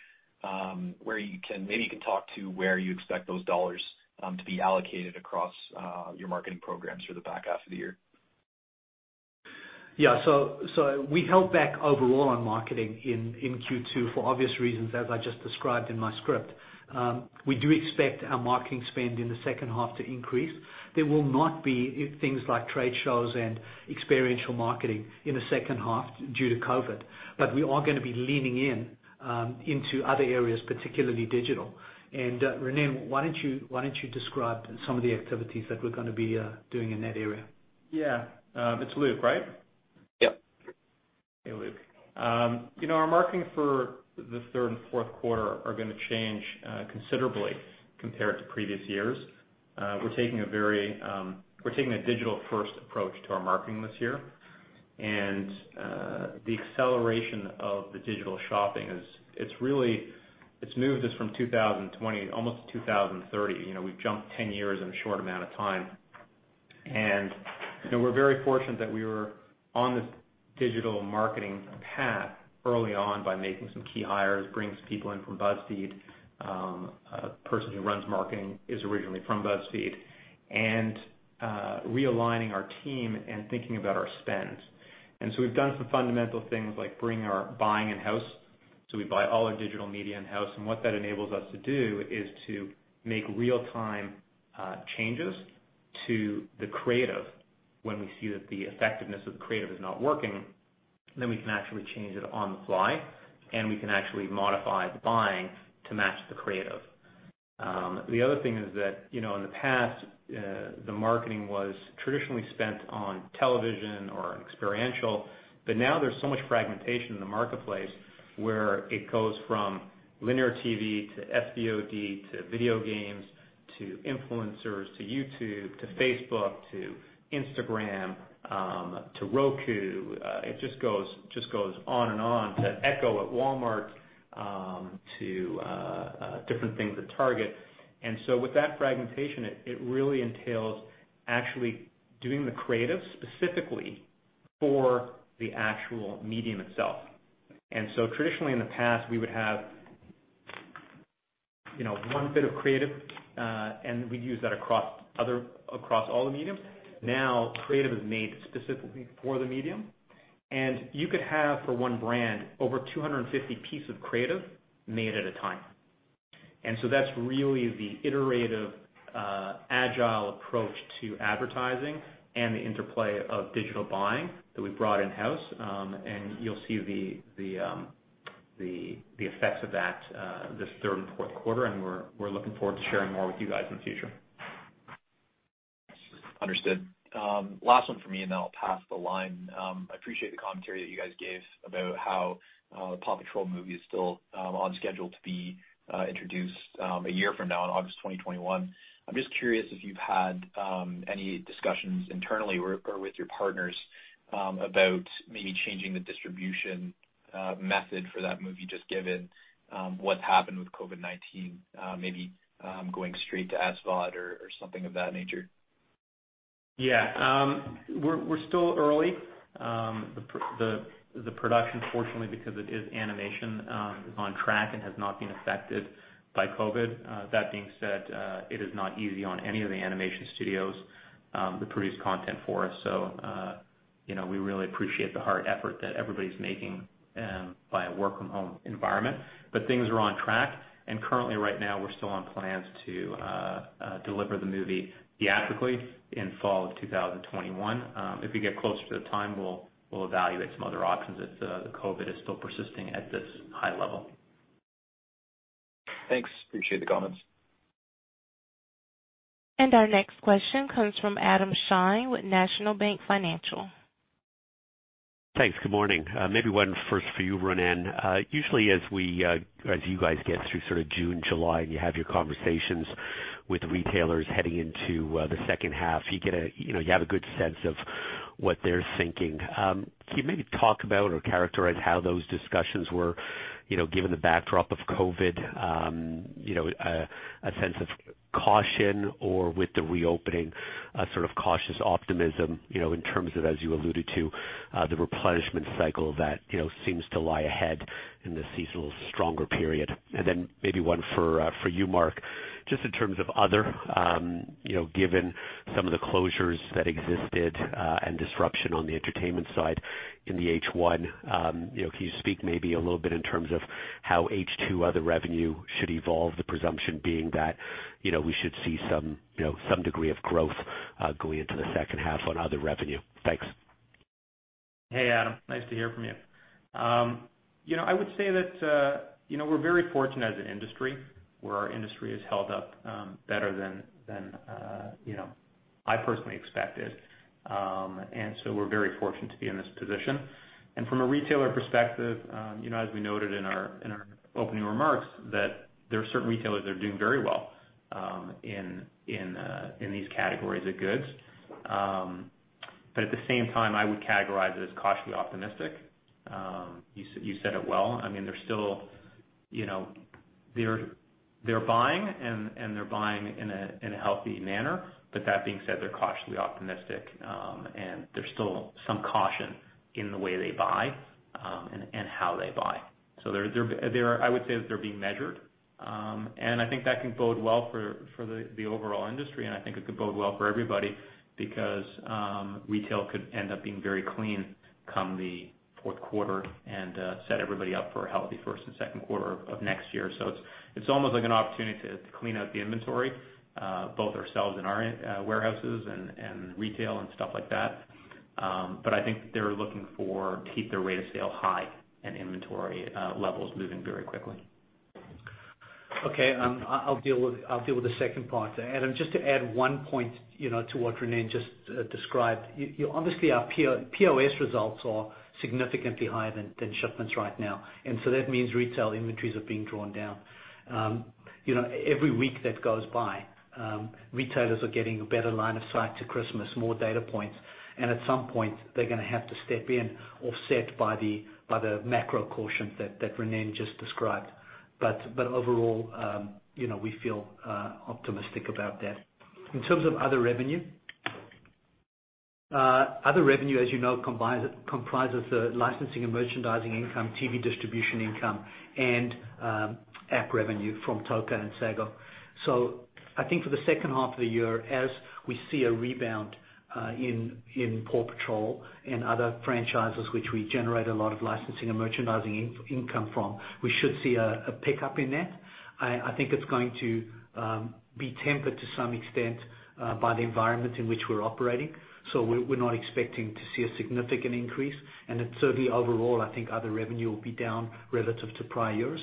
you can maybe talk to where you expect those dollars to be allocated across your marketing programs for the back half of the year. We held back overall on marketing in Q2 for obvious reasons, as I just described in my script. We do expect our marketing spend in the second half to increase. There will not be things like trade shows and experiential marketing in the second half due to COVID, but we are going to be leaning into other areas, particularly digital. Ronnen, why don't you describe some of the activities that we're going to be doing in that area? Yeah. It's Luke, right? Yep. Hey, Luke. Our marketing for the third and fourth quarter are going to change considerably compared to previous years. We're taking a digital-first approach to our marketing this year. The acceleration of the digital shopping, it's moved us from 2020 almost to 2030. We've jumped 10 years in a short amount of time. We're very fortunate that we were on this digital marketing path early on by making some key hires, bringing people in from BuzzFeed. A person who runs marketing is originally from BuzzFeed, and realigning our team and thinking about our spend. We've done some fundamental things like bringing our buying in-house. We buy all our digital media in-house, and what that enables us to do is to make real-time changes to the creative. When we see that the effectiveness of the creative is not working, then we can actually change it on the fly, and we can actually modify the buying to match the creative. The other thing is that, in the past, the marketing was traditionally spent on television or experiential, but now there's so much fragmentation in the marketplace where it goes from linear TV to SVOD, to video games, to influencers, to YouTube, to Facebook, to Instagram, to Roku. It just goes on and on, to ecom at Walmart, to different things at Target. With that fragmentation, it really entails actually doing the creative specifically for the actual medium itself. Traditionally in the past, we would have one bit of creative, and we'd use that across all the mediums. Creative is made specifically for the medium, and you could have, for one brand, over 250 pieces of creative made at a time. That's really the iterative, agile approach to advertising and the interplay of digital buying that we've brought in-house. You'll see the effects of that this third and fourth quarter, and we're looking forward to sharing more with you guys in the future. Understood. Last one from me, and then I'll pass the line. I appreciate the commentary that you guys gave about how the PAW Patrol movie is still on schedule to be introduced one year from now, in August 2021. I'm just curious if you've had any discussions internally or with your partners about maybe changing the distribution method for that movie, just given what's happened with COVID-19, maybe going straight to SVOD or something of that nature. Yeah. We're still early. The production, fortunately, because it is animation, is on track and has not been affected by COVID. That being said, it is not easy on any of the animation studios that produce content for us. We really appreciate the hard effort that everybody's making via work from home environment. Things are on track, and currently right now, we're still on plans to deliver the movie theatrically in fall of 2021. If we get closer to the time, we'll evaluate some other options if the COVID is still persisting at this high level. Thanks. Appreciate the comments. Our next question comes from Adam Shine with National Bank Financial. Thanks. Good morning. Maybe one first for you, Ronnen. Usually, as you guys get through sort of June, July, and you have your conversations with retailers heading into the second half, you have a good sense of what they're thinking. Can you maybe talk about or characterize how those discussions were, given the backdrop of COVID, a sense of caution or with the reopening, a sort of cautious optimism, in terms of, as you alluded to, the replenishment cycle that seems to lie ahead in this seasonal stronger period? Maybe one for you, Mark, just in terms of other, given some of the closures that existed, and disruption on the entertainment side in the H1, can you speak maybe a little bit in terms of how H2 other revenue should evolve, the presumption being that we should see some degree of growth going into the second half on other revenue? Thanks. Hey, Adam. Nice to hear from you. I would say that we're very fortunate as an industry, where our industry has held up better than I personally expected. We're very fortunate to be in this position. From a retailer perspective, as we noted in our opening remarks, that there are certain retailers that are doing very well in these categories of goods. At the same time, I would categorize it as cautiously optimistic. You said it well. They're buying and they're buying in a healthy manner. That being said, they're cautiously optimistic, and there's still some caution in the way they buy and how they buy. I would say that they're being measured. I think that can bode well for the overall industry, and I think it could bode well for everybody because retail could end up being very clean come the fourth quarter and set everybody up for a healthy first and second quarter of next year. It's almost like an opportunity to clean out the inventory, both ourselves and our warehouses and retail and stuff like that. I think they're looking for keep their rate of sale high and inventory levels moving very quickly. Okay. I'll deal with the second part. Adam, just to add one point to what Ronnen just described. Obviously, our POS results are significantly higher than shipments right now, that means retail inventories are being drawn down. Every week that goes by, retailers are getting a better line of sight to Christmas, more data points, at some point, they're going to have to step in, offset by the macro caution that Ronnen just described. Overall, we feel optimistic about that. In terms of other revenue, other revenue, as you know, comprises the licensing and merchandising income, TV distribution income, and app revenue from Toca and Sago. I think for the second half of the year, as we see a rebound in PAW Patrol and other franchises, which we generate a lot of licensing and merchandising income from, we should see a pickup in that. I think it's going to be tempered to some extent by the environment in which we're operating. We're not expecting to see a significant increase, and certainly overall, I think other revenue will be down relative to prior years.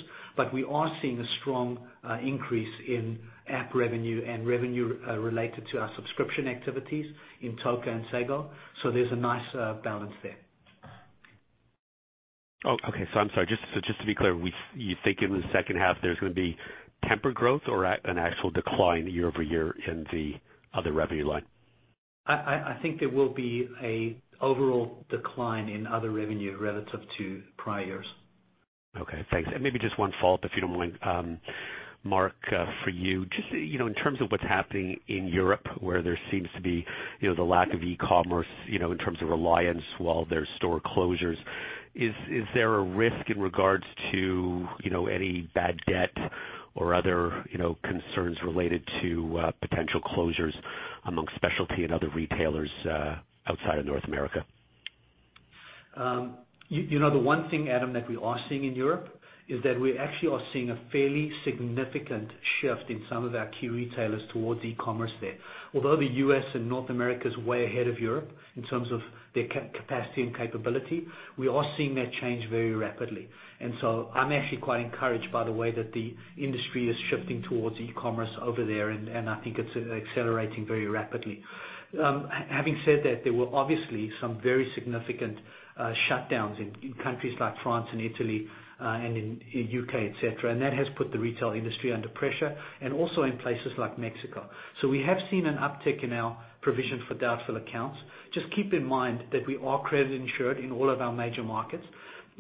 We are seeing a strong increase in app revenue and revenue related to our subscription activities in Toca and Sago. There's a nice balance there. Oh, okay. I'm sorry, just to be clear, you think in the second half there's going to be tempered growth or an actual decline year-over-year in the other revenue line? I think there will be an overall decline in other revenue relative to prior years. Okay, thanks. Maybe just one follow-up, if you don't mind, Mark, for you. Just in terms of what's happening in Europe, where there seems to be the lack of e-commerce in terms of reliance while there is store closures, is there a risk in regards to any bad debt or other concerns related to potential closures amongst specialty and other retailers outside of North America? The one thing, Adam, that we are seeing in Europe is that we actually are seeing a fairly significant shift in some of our key retailers towards e-commerce there. Although the U.S. and North America is way ahead of Europe in terms of their capacity and capability, we are seeing that change very rapidly. I'm actually quite encouraged by the way that the industry is shifting towards e-commerce over there, and I think it's accelerating very rapidly. Having said that, there were obviously some very significant shutdowns in countries like France and Italy, and in U.K., et cetera, and that has put the retail industry under pressure, and also in places like Mexico. We have seen an uptick in our provision for doubtful accounts. Just keep in mind that we are credit insured in all of our major markets.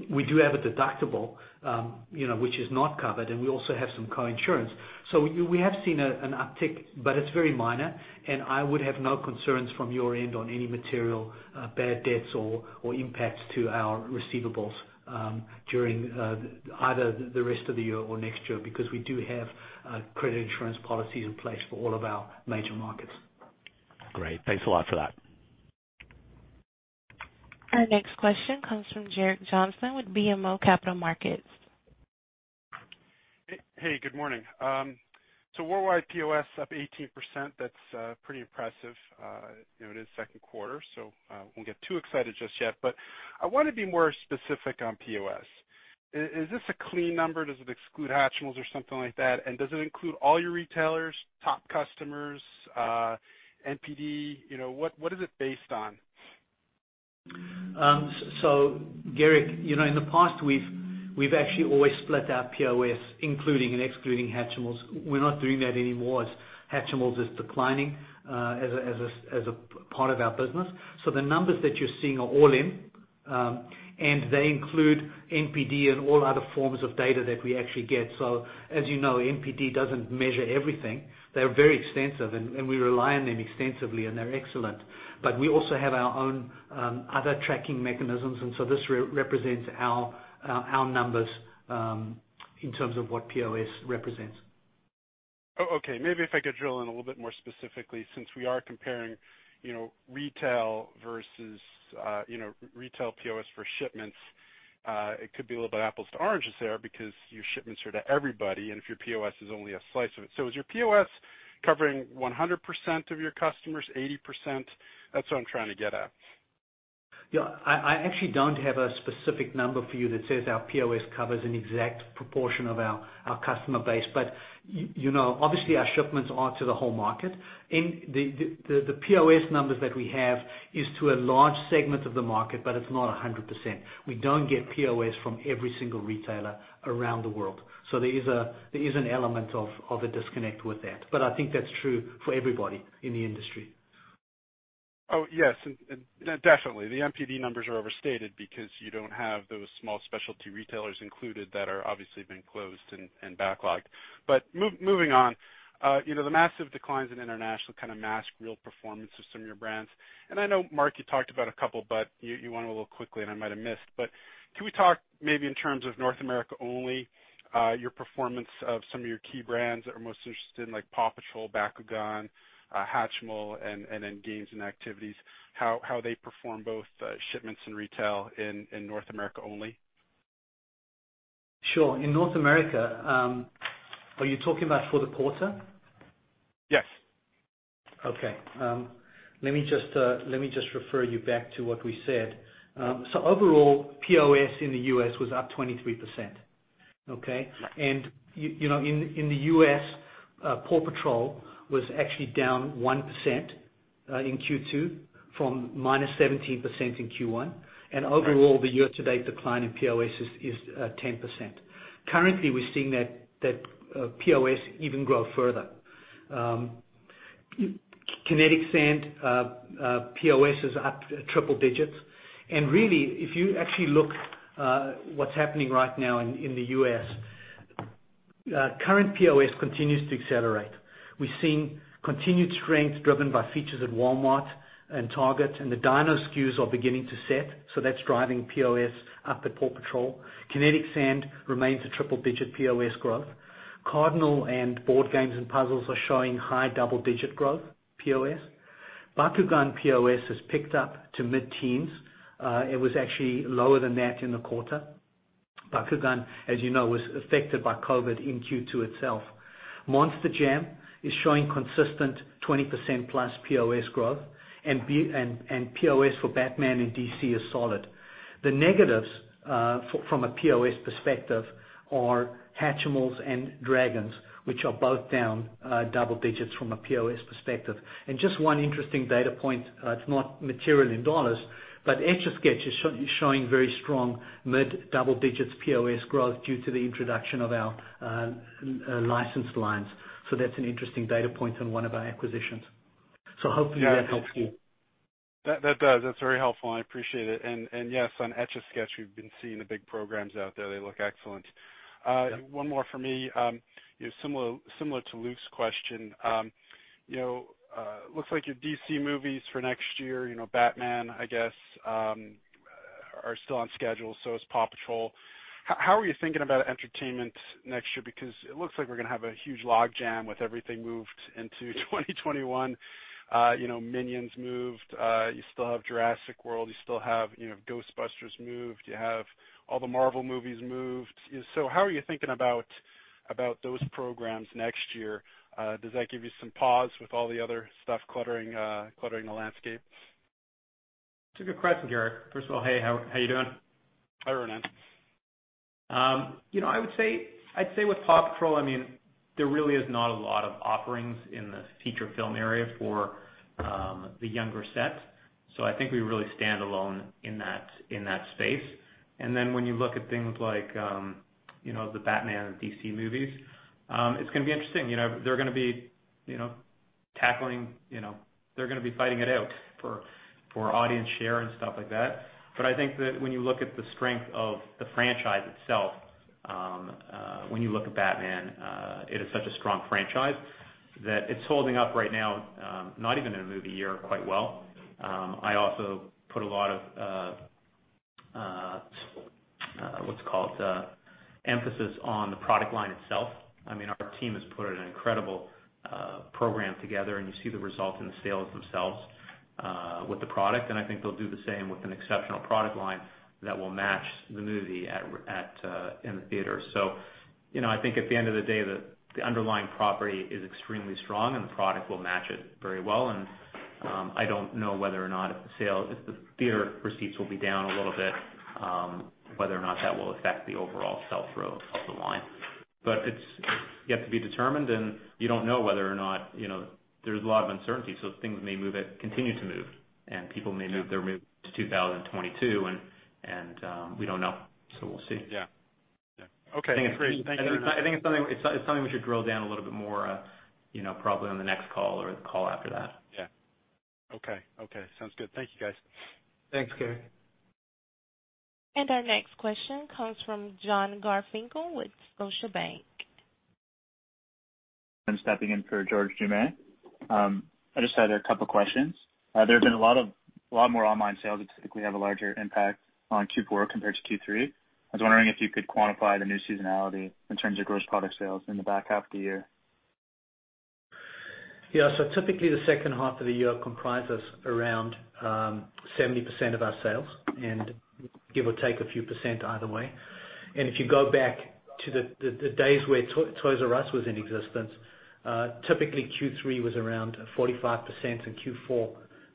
We do have a deductible which is not covered, and we also have some co-insurance. We have seen an uptick, but it's very minor, and I would have no concerns from your end on any material bad debts or impacts to our receivables during either the rest of the year or next year, because we do have credit insurance policies in place for all of our major markets. Great. Thanks a lot for that. Our next question comes from Gerrick Johnson with BMO Capital Markets. Hey, good morning. Worldwide POS up 18%, that's pretty impressive. It is second quarter, won't get too excited just yet. I want to be more specific on POS. Is this a clean number? Does it exclude Hatchimals or something like that? Does it include all your retailers, top customers, NPD? What is it based on? Gerrick, in the past, we've actually always split our POS, including and excluding Hatchimals. We're not doing that anymore as Hatchimals is declining as a part of our business. The numbers that you're seeing are all in, and they include NPD and all other forms of data that we actually get. As you know, NPD doesn't measure everything. They're very extensive and we rely on them extensively, and they're excellent. We also have our own other tracking mechanisms, and so this represents our numbers in terms of what POS represents. Okay. Maybe if I could drill in a little bit more specifically, since we are comparing retail POS for shipments, it could be a little bit apples to oranges there because your shipments are to everybody, and if your POS is only a slice of it. Is your POS covering 100% of your customers, 80%? That's what I'm trying to get at. I actually don't have a specific number for you that says our POS covers an exact proportion of our customer base. Obviously our shipments are to the whole market, and the POS numbers that we have is to a large segment of the market, but it's not 100%. We don't get POS from every single retailer around the world. There is an element of a disconnect with that, but I think that's true for everybody in the industry. Oh, yes. Definitely. The NPD numbers are overstated because you don't have those small specialty retailers included that are obviously been closed and backlogged. Moving on, the massive declines in international kind of mask real performance of some of your brands. I know, Mark, you talked about a couple, you went a little quickly and I might have missed, can we talk maybe in terms of North America only, your performance of some of your key brands that we're most interested in, like PAW Patrol, Bakugan, Hatchimals, and then Games and Activities, how they perform both shipments and retail in North America only? Sure. In North America, are you talking about for the quarter? Yes. Okay. Let me just refer you back to what we said. Overall, POS in the U.S. was up 23%. Okay? In the U.S., PAW Patrol was actually down 1% in Q2 from -17% in Q1. Overall, the year-to-date decline in POS is 10%. Currently, we're seeing that POS even grow further. Kinetic Sand POS is up triple digits. Really, if you actually look what's happening right now in the U.S., current POS continues to accelerate. We're seeing continued strength driven by features at Walmart and Target, and the Dino SKUs are beginning to set, so that's driving POS up at PAW Patrol. Kinetic Sand remains a triple-digit POS growth. Cardinal and Board games and puzzles are showing high double-digit growth POS. Bakugan POS has picked up to mid-teens. It was actually lower than that in the quarter. Bakugan, as you know, was affected by COVID in Q2 itself. Monster Jam is showing consistent 20%+ POS growth, and POS for Batman and DC is solid. The negatives, from a POS perspective, are Hatchimals and Dragons, which are both down double digits from a POS perspective. Just one interesting data point, it's not material in dollars, but Etch A Sketch is showing very strong mid-double digits POS growth due to the introduction of our licensed lines. That's an interesting data point on one of our acquisitions. Hopefully that helps you. That does. That is very helpful and I appreciate it. Yes, on Etch A Sketch, we've been seeing the big programs out there. They look excellent. One more for me, similar to Luke's question. Looks like your DC movies for next year, Batman, I guess, are still on schedule. So is PAW Patrol. How are you thinking about entertainment next year? It looks like we're going to have a huge log jam with everything moved into 2021. Minions moved. You still have Jurassic World. You still have Ghostbusters moved. You have all the Marvel movies moved. How are you thinking about those programs next year? Does that give you some pause with all the other stuff cluttering the landscape? It's a good question, Gerrick. First of all, hey, how you doing? Hi, Ronnen. I'd say with "PAW Patrol," there really is not a lot of offerings in the feature film area for the younger set, so I think we really stand alone in that space. When you look at things like the "Batman" and DC movies, it's going to be interesting. They're going to be fighting it out for audience share and stuff like that. I think that when you look at the strength of the franchise itself, when you look at "Batman," it is such a strong franchise that it's holding up right now, not even in a movie year, quite well. I also put a lot of, what's it called? Emphasis on the product line itself. Our team has put an incredible program together, and you see the result in the sales themselves with the product, and I think they'll do the same with an exceptional product line that will match the movie in the theater. I think at the end of the day, the underlying property is extremely strong and the product will match it very well. I don't know whether or not if the theater receipts will be down a little bit, whether or not that will affect the overall sell-through of the line. It's yet to be determined and you don't know whether or not There's a lot of uncertainty, so things may continue to move and people may move their movies to 2022 and we don't know. We'll see. Yeah. Okay, great. Thank you. I think it's something we should drill down a little bit more, probably on the next call or the call after that. Yeah. Okay. Sounds good. Thank you, guys. Thanks, Gerrick. Our next question comes from John Garfinkel with Scotiabank. I'm stepping in for George Doumet. I just had a couple questions. There have been a lot more online sales that typically have a larger impact on Q4 compared to Q3. I was wondering if you could quantify the new seasonality in terms of gross product sales in the back half of the year. Typically, the second half of the year comprises around 70% of our sales and give or take a few percent either way. If you go back to the days where Toys "R" Us was in existence, typically Q3 was around 45% and Q4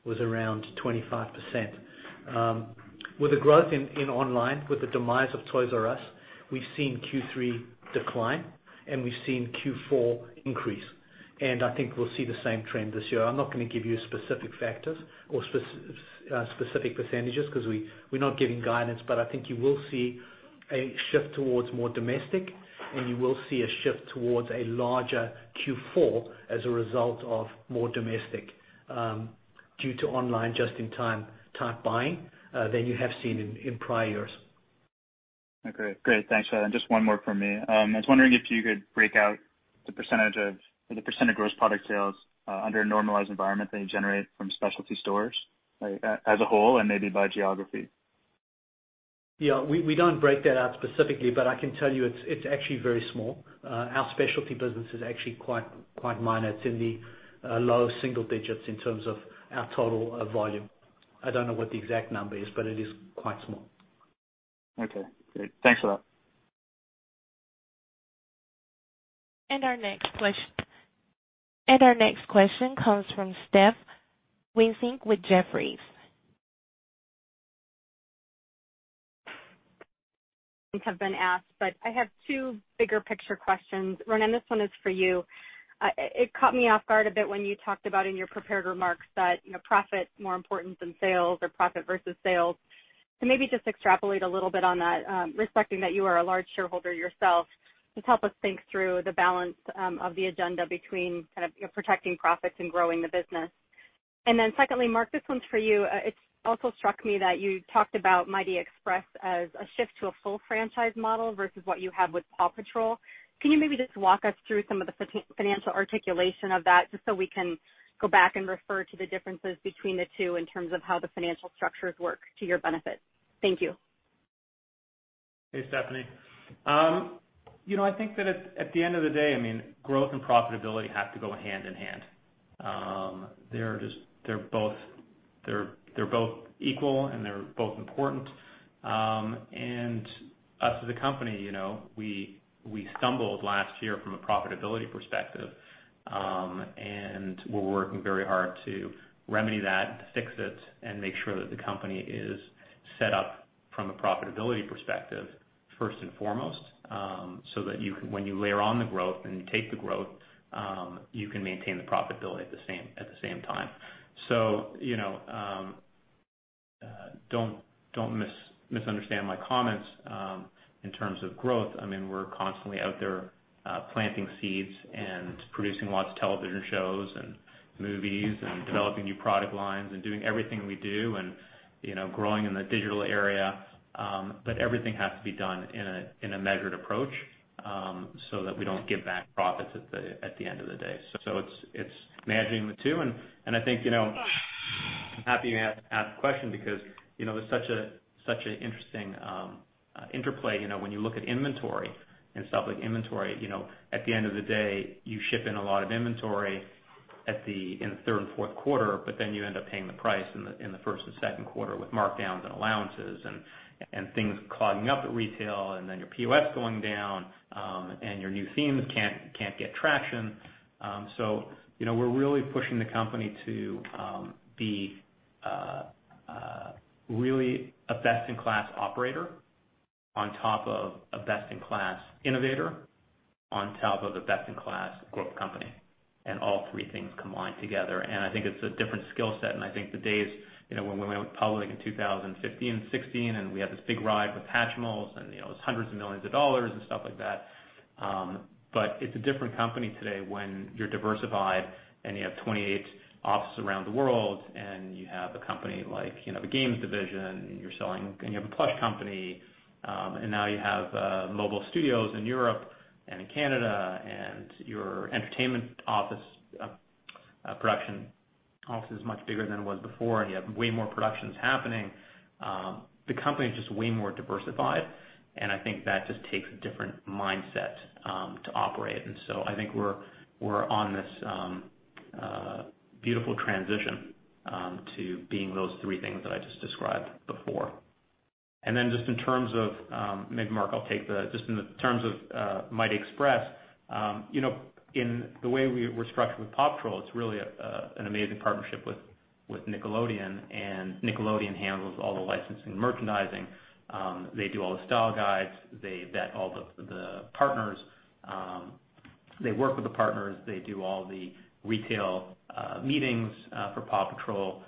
was around 25%. With the growth in online, with the demise of Toys "R" Us, we've seen Q3 decline and we've seen Q4 increase. I think we'll see the same trend this year. I'm not going to give you specific factors or specific percentages because we're not giving guidance, but I think you will see a shift towards more domestic and you will see a shift towards a larger Q4 as a result of more domestic, due to online just-in-time type buying than you have seen in prior years. Okay, great. Thanks for that. Just one more from me. I was wondering if you could break out the % of gross product sales under a normalized environment that you generate from specialty stores as a whole and maybe by geography. Yeah. We don't break that out specifically, but I can tell you it's actually very small. Our specialty business is actually quite minor. It's in the low single digits in terms of our total volume. I don't know what the exact number is, but it is quite small. Okay, great. Thanks a lot. Our next question comes from Stephanie Wissink with Jefferies. Have been asked, but I have two bigger picture questions. Ronnen, this one is for you. It caught me off guard a bit when you talked about in your prepared remarks that profit is more important than sales or profit versus sales. Maybe just extrapolate a little bit on that, respecting that you are a large shareholder yourself. Just help us think through the balance of the agenda between protecting profits and growing the business. Secondly, Mark, this one's for you. It also struck me that you talked about Mighty Express as a shift to a full franchise model versus what you have with PAW Patrol. Can you maybe just walk us through some of the financial articulation of that just so we can go back and refer to the differences between the two in terms of how the financial structures work to your benefit? Thank you. Hey, Stephanie. I think that at the end of the day, growth and profitability have to go hand in hand. They're both equal and they're both important. Us as a company, we stumbled last year from a profitability perspective, and we're working very hard to remedy that, to fix it, and make sure that the company is set up from a profitability perspective, first and foremost, so that when you layer on the growth and you take the growth, you can maintain the profitability at the same time. Don't misunderstand my comments in terms of growth. We're constantly out there planting seeds and producing lots of television shows and movies and developing new product lines and doing everything we do and growing in the digital area. Everything has to be done in a measured approach, so that we don't give back profits at the end of the day. It's managing the two and I think, I'm happy you asked the question because it's such an interesting interplay. When you look at inventory and stuff like inventory, at the end of the day, you ship in a lot of inventory in the third and fourth quarter, but then you end up paying the price in the first and second quarter with markdowns and allowances and things clogging up at retail and then your POS going down, and your new themes can't get traction. We're really pushing the company to be really a best-in-class operator, on top of a best-in-class innovator, on top of a best-in-class growth company. All three things combined together, and I think it's a different skill set, and I think the days, when we went public in 2015, 2016, and we had this big ride with Hatchimals and it was $hundreds of millions and stuff like that. It's a different company today when you're diversified and you have 28 offices around the world and you have a company like the games division, and you have a plush company. Now you have mobile studios in Europe and in Canada and your entertainment office production office is much bigger than it was before, and you have way more productions happening. The company is just way more diversified, and I think that just takes a different mindset to operate. I think we're on this beautiful transition to being those three things that I just described before. Then just in terms of, maybe Mark, I'll take the just in the terms of Mighty Express. In the way we're structured with PAW Patrol, it's really an amazing partnership with Nickelodeon, and Nickelodeon handles all the licensing merchandising. They do all the style guides. They vet all the partners. They work with the partners. They do all the retail meetings for PAW Patrol.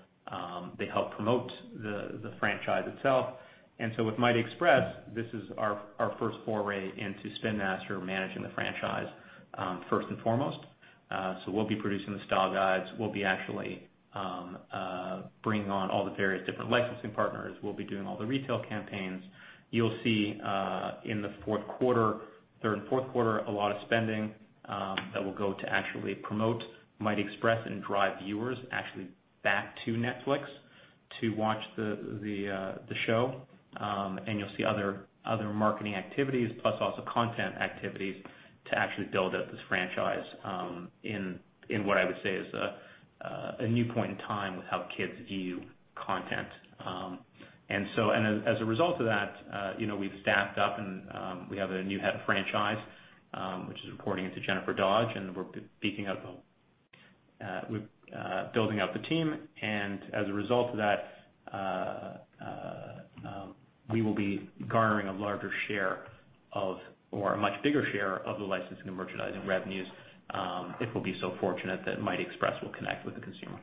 They help promote the franchise itself. With Mighty Express, this is our first foray into Spin Master managing the franchise first and foremost. We'll be producing the style guides. We'll be actually bringing on all the various different licensing partners. We'll be doing all the retail campaigns. You'll see in the fourth quarter, third and fourth quarter, a lot of spending that will go to actually promote Mighty Express and drive viewers actually back to Netflix to watch the show. You'll see other marketing activities, plus also content activities to actually build up this franchise in what I would say is a new point in time with how kids view content. As a result of that, we've staffed up and we have a new head of franchise, which is reporting into Jennifer Dodge, and we're building out the team. As a result of that, we will be garnering a larger share of, or a much bigger share of the licensing and merchandising revenues, if we'll be so fortunate that Mighty Express will connect with the consumer.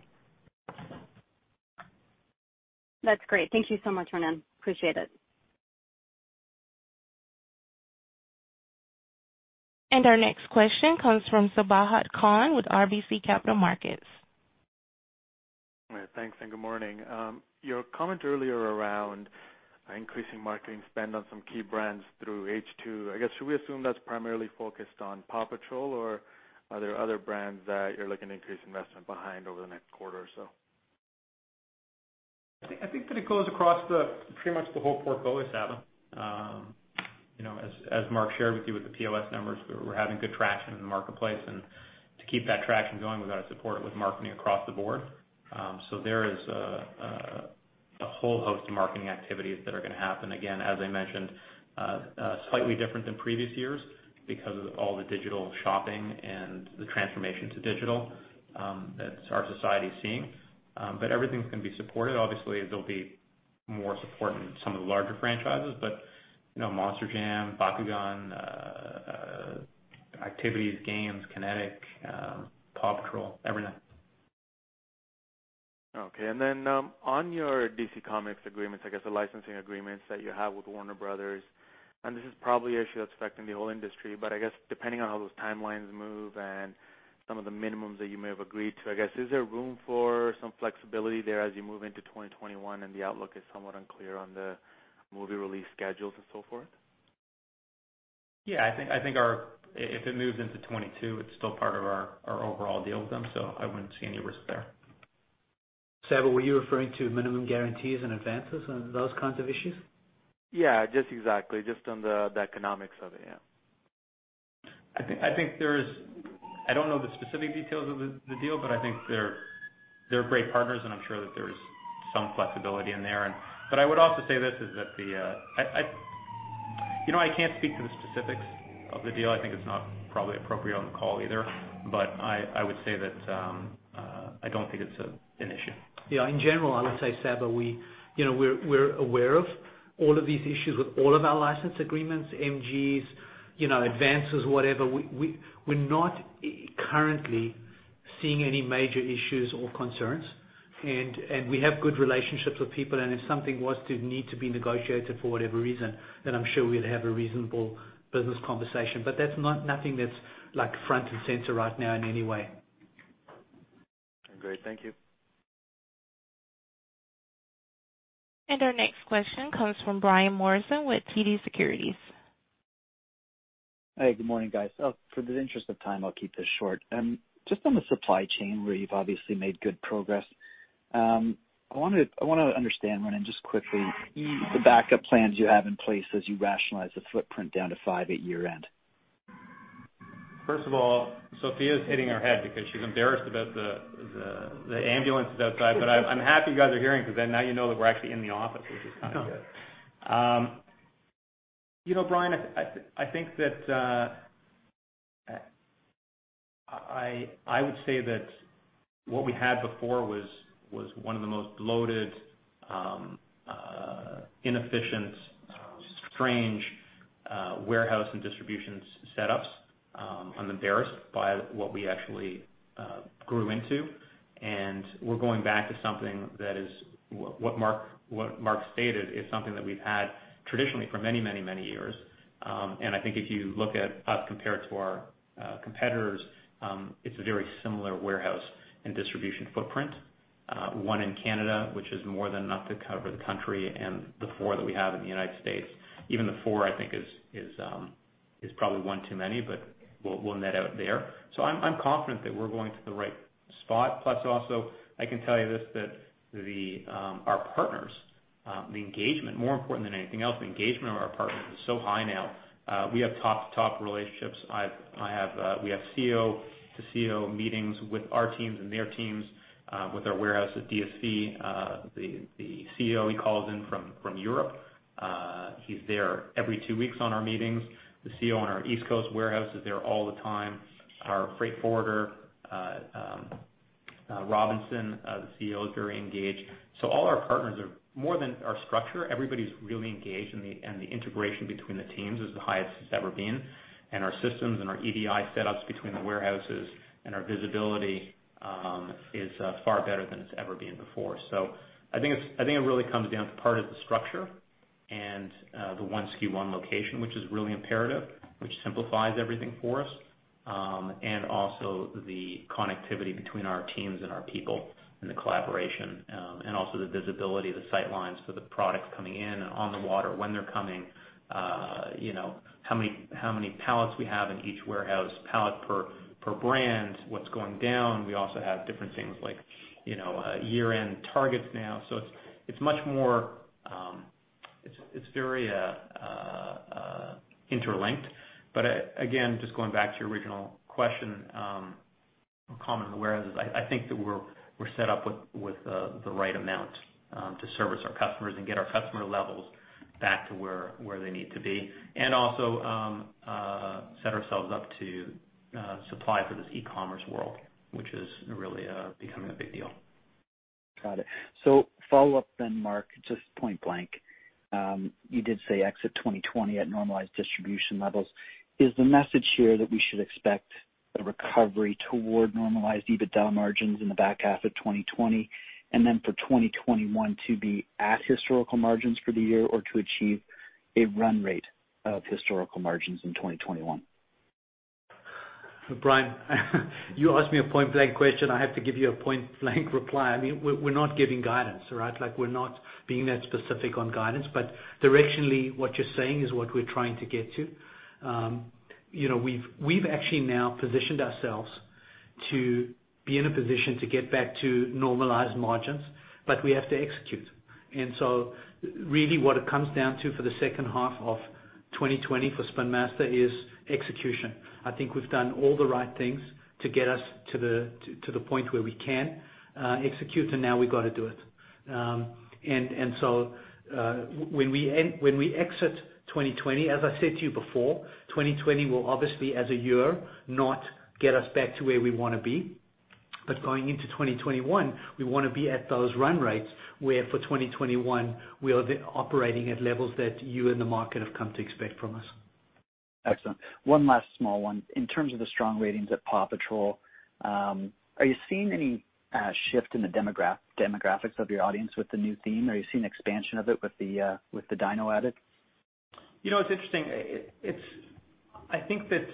That's great. Thank you so much, Ronnen. Appreciate it. Our next question comes from Sabahat Khan with RBC Capital Markets. Thanks and good morning. Your comment earlier around increasing marketing spend on some key brands through H2, I guess, should we assume that's primarily focused on PAW Patrol or are there other brands that you're looking to increase investment behind over the next quarter or so? I think that it goes across pretty much the whole portfolio, Sabahat. As Mark shared with you with the POS numbers, we're having good traction in the marketplace, and to keep that traction going, we've got to support it with marketing across the board. There is a whole host of marketing activities that are going to happen. Again, as I mentioned, slightly different than previous years because of all the digital shopping and the transformation to digital that our society is seeing. Everything's going to be supported. Obviously, there'll be more support in some of the larger franchises, Monster Jam, Bakugan, Activities, Games, Kinetic Sand, PAW Patrol, everything. Okay. On your DC Comics agreements, I guess the licensing agreements that you have with Warner Bros., and this is probably an issue that's affecting the whole industry, but I guess depending on how those timelines move and some of the minimums that you may have agreed to, I guess, is there room for some flexibility there as you move into 2021 and the outlook is somewhat unclear on the movie release schedules and so forth? Yeah, I think if it moves into 2022, it's still part of our overall deal with them, so I wouldn't see any risk there. Sabahat, were you referring to Minimum Guarantees and advances and those kinds of issues? Yeah, just exactly. Just on the economics of it, yeah. I don't know the specific details of the deal, but I think they're great partners, and I'm sure that there's some flexibility in there. I would also say this, is that I can't speak to the specifics of the deal. I think it's not probably appropriate on the call either. I would say that I don't think it's an issue. Yeah. In general, I would say, Sabahat, we're aware of all of these issues with all of our license agreements, MGs, advances, whatever. We're not currently seeing any major issues or concerns. We have good relationships with people, and if something was to need to be negotiated for whatever reason, then I'm sure we'd have a reasonable business conversation. That's nothing that's front and center right now in any way. Great. Thank you. Our next question comes from Brian Morrison with TD Securities. Hey, good morning, guys. For the interest of time, I'll keep this short. Just on the supply chain, where you've obviously made good progress. I want to understand, Ronnen, just quickly, the backup plans you have in place as you rationalize the footprint down to five at year-end. First of all, Sophia's hitting her head because she's embarrassed about the ambulances outside. I'm happy you guys are hearing, now you know that we're actually in the office, which is kind of good. Brian, I think that I would say that what we had before was one of the most bloated, inefficient, strange warehouse and distribution setups. I'm embarrassed by what we actually grew into. What Mark stated is something that we've had traditionally for many years. I think if you look at us compared to our competitors, it's a very similar warehouse and distribution footprint. One in Canada, which is more than enough to cover the country, the four that we have in the U.S. Even the four, I think is probably one too many, we'll net out there. I'm confident that we're going to the right spot. I can tell you this, that our partners, the engagement, more important than anything else, the engagement of our partners is so high now. We have top-to-top relationships. We have CEO to CEO meetings with our teams and their teams, with our warehouse at DSC. The CEO, he calls in from Europe. He's there every two weeks on our meetings. The CEO on our East Coast warehouse is there all the time. Our freight forwarder, Robinson, the CEO is very engaged. All our partners are more than our structure. Everybody's really engaged, the integration between the teams is the highest it's ever been. Our systems and our EDI setups between the warehouses and our visibility is far better than it's ever been before. I think it really comes down to part of the structure and the one SKU, one location, which is really imperative, which simplifies everything for us. Also the connectivity between our teams and our people, and the collaboration. Also the visibility, the sight lines for the products coming in and on the water, when they're coming. How many pallets we have in each warehouse, pallet per brand, what's going down. We also have different things like year-end targets now. It's very interlinked. Again, just going back to your original question, common warehouses, I think that we're set up with the right amount to service our customers and get our customer levels back to where they need to be. Also set ourselves up to supply for this e-commerce world, which is really becoming a big deal. Got it. Follow-up then, Mark, just point blank. You did say exit 2020 at normalized distribution levels. Is the message here that we should expect a recovery toward normalized EBITDA margins in the back half of 2020, and then for 2021 to be at historical margins for the year, or to achieve a run rate of historical margins in 2021? Brian, you asked me a point-blank question. I have to give you a point-blank reply. We're not giving guidance, right? We're not being that specific on guidance, but directionally what you're saying is what we're trying to get to. We've actually now positioned ourselves to be in a position to get back to normalized margins, but we have to execute. Really what it comes down to for the second half of 2020 for Spin Master is execution. I think we've done all the right things to get us to the point where we can execute, and now we've got to do it. When we exit 2020, as I said to you before, 2020 will obviously, as a year, not get us back to where we want to be. Going into 2021, we want to be at those run rates, where for 2021, we are operating at levels that you and the market have come to expect from us. Excellent. One last small one. In terms of the strong ratings at PAW Patrol, are you seeing any shift in the demographics of your audience with the new theme? Are you seeing expansion of it with the Dino added? It's interesting. I think that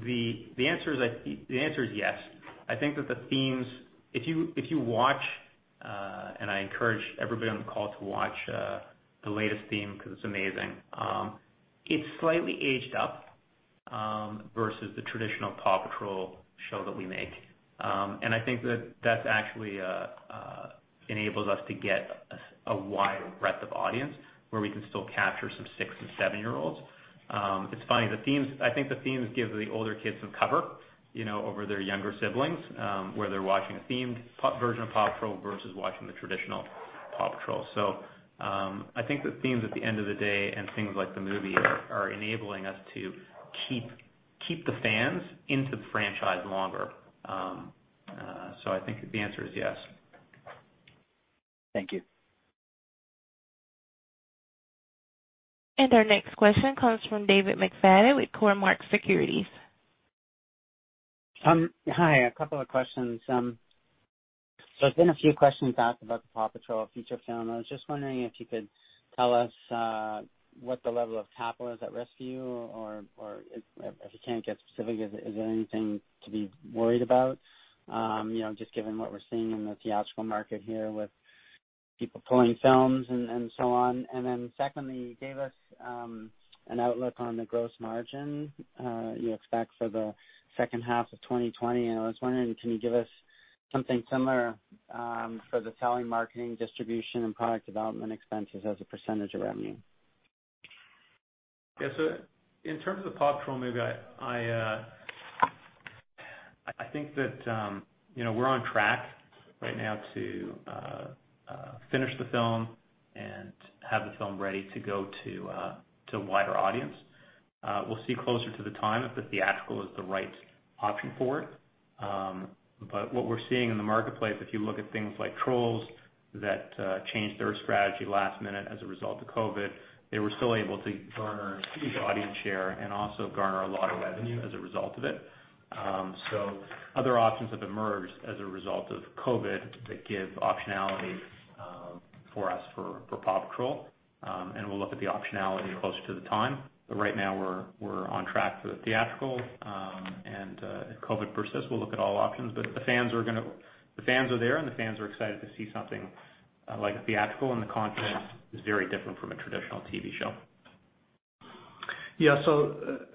the answer is yes. I think that the themes, if you watch, and I encourage everybody on the call to watch the latest theme because it's amazing. It's slightly aged up, versus the traditional PAW Patrol show that we make. I think that that actually enables us to get a wider breadth of audience, where we can still capture some six and seven-year-olds. It's funny, I think the themes give the older kids some cover over their younger siblings, where they're watching a themed version of PAW Patrol versus watching the traditional PAW Patrol. I think the themes at the end of the day and things like the movie are enabling us to keep the fans into the franchise longer. I think the answer is yes. Thank you. Our next question comes from David McFadgen with Cormark Securities. Hi, a couple of questions. There's been a few questions asked about the PAW Patrol feature film. I was just wondering if you could tell us what the level of capital is at risk or if you can't get specific, is there anything to be worried about? Just given what we're seeing in the theatrical market here with people pulling films and so on. Secondly, you gave us an outlook on the gross margin you expect for the second half of 2020. I was wondering, can you give us something similar for the selling, marketing, distribution, and product development expenses as a percentage of revenue? Yeah. In terms of the PAW Patrol movie, I think that we're on track right now to finish the film and have the film ready to go to a wider audience. We'll see closer to the time if the theatrical is the right option for it. What we're seeing in the marketplace, if you look at things like Trolls, that changed their strategy last minute as a result of COVID, they were still able to garner audience share and also garner a lot of revenue as a result of it. Other options have emerged as a result of COVID that give optionality for us for PAW Patrol. We'll look at the optionality closer to the time. Right now we're on track for the theatrical, and if COVID persists, we'll look at all options. The fans are there, and the fans are excited to see something like a theatrical, and the content is very different from a traditional TV show.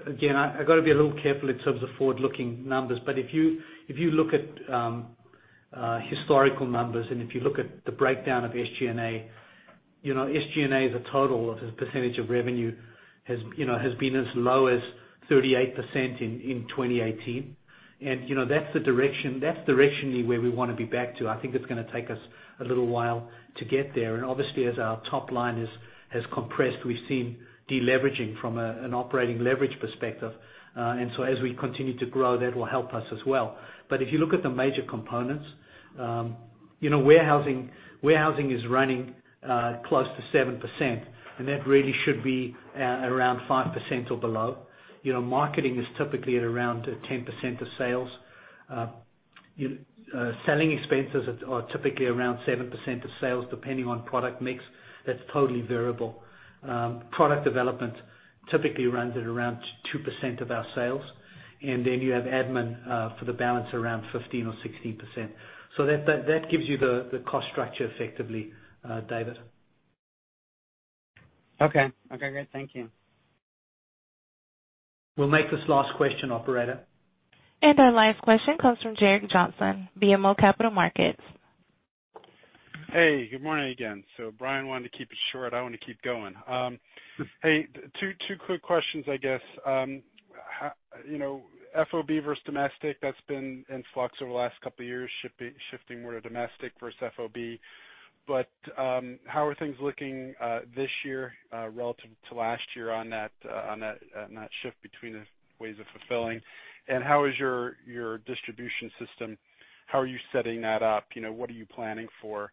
Again, I got to be a little careful in terms of forward-looking numbers, but if you look at historical numbers, and if you look at the breakdown of SG&A, SG&A as a total, as a percentage of revenue has been as low as 38% in 2018. That's directionally where we want to be back to. I think it's going to take us a little while to get there. Obviously as our top line has compressed, we've seen deleveraging from an operating leverage perspective. As we continue to grow, that will help us as well. If you look at the major components, warehousing is running close to 7%, and that really should be around 5% or below. Marketing is typically at around 10% of sales. Selling expenses are typically around 7% of sales, depending on product mix. That's totally variable. Product development typically runs at around 2% of our sales. You have admin for the balance around 15% or 16%. That gives you the cost structure effectively, David. Okay, great. Thank you. We'll make this last question, operator. Our last question comes from Gerrick Johnson, BMO Capital Markets. Hey, good morning again. Brian wanted to keep it short. I want to keep going. Hey, two quick questions I guess. FOB versus domestic, that's been in flux over the last couple of years, shifting more to domestic versus FOB. How are things looking this year relative to last year on that shift between the ways of fulfilling, and how is your distribution system, how are you setting that up? What are you planning for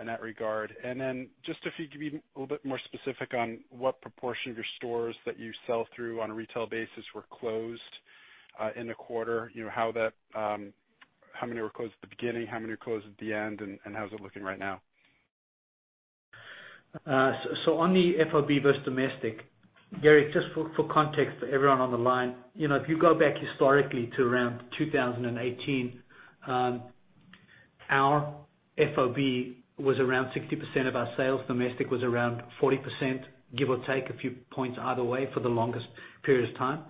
in that regard? Then just if you could be a little bit more specific on what proportion of your stores that you sell through on a retail basis were closed in the quarter. How many were closed at the beginning? How many were closed at the end, and how's it looking right now? On the FOB versus domestic, Gerrick, just for context for everyone on the line, if you go back historically to around 2018, our FOB was around 60% of our sales. Domestic was around 40%, give or take a few points either way for the longest period of time.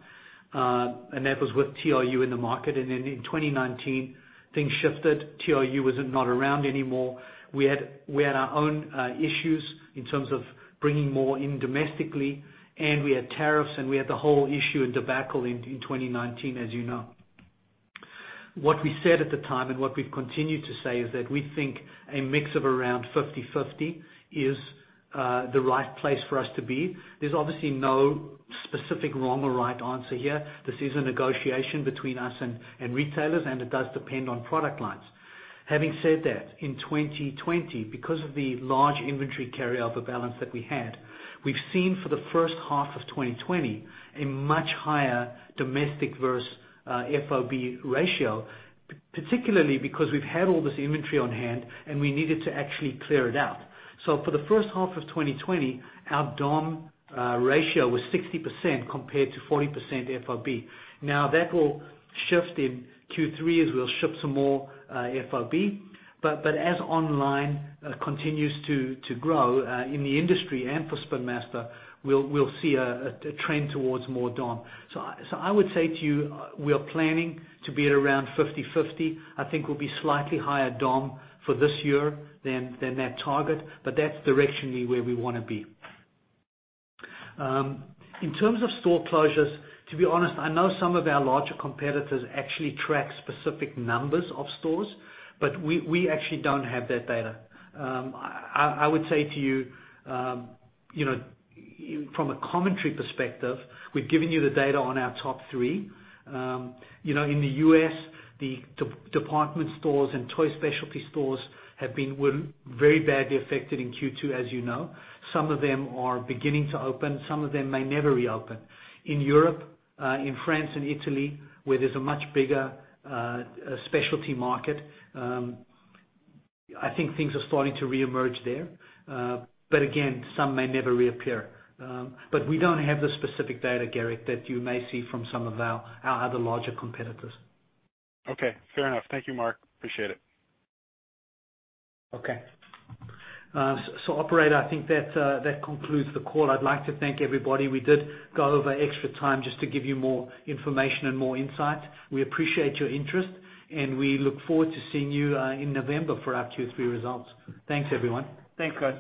That was with TRU in the market. In 2019, things shifted. TRU was not around anymore. We had our own issues in terms of bringing more in domestically, and we had tariffs, and we had the whole issue and debacle in 2019, as you know. What we said at the time, and what we've continued to say, is that we think a mix of around 50/50 is the right place for us to be. There's obviously no specific wrong or right answer here. This is a negotiation between us and retailers, and it does depend on product lines. Having said that, in 2020, because of the large inventory carry over balance that we had, we've seen for the first half of 2020, a much higher domestic versus FOB ratio, particularly because we've had all this inventory on hand, and we needed to actually clear it out. For the first half of 2020, our dom ratio was 60% compared to 40% FOB. Now, that will shift in Q3 as we'll ship some more FOB. As online continues to grow in the industry and for Spin Master, we'll see a trend towards more dom. I would say to you, we are planning to be at around 50/50. I think we'll be slightly higher dom for this year than that target, but that's directionally where we want to be. In terms of store closures, to be honest, I know some of our larger competitors actually track specific numbers of stores, we actually don't have that data. I would say to you, from a commentary perspective, we've given you the data on our top three. In the U.S., the department stores and toy specialty stores have been very badly affected in Q2 as you know. Some of them are beginning to open, some of them may never reopen. In Europe, in France and Italy, where there's a much bigger specialty market, I think things are starting to reemerge there. Again, some may never reappear. We don't have the specific data, Gerrick, that you may see from some of our other larger competitors. Okay, fair enough. Thank you, Mark. Appreciate it. Operator, I think that concludes the call. I'd like to thank everybody. We did go over extra time just to give you more information and more insight. We appreciate your interest, and we look forward to seeing you in November for our Q3 results. Thanks, everyone. Thanks, guys.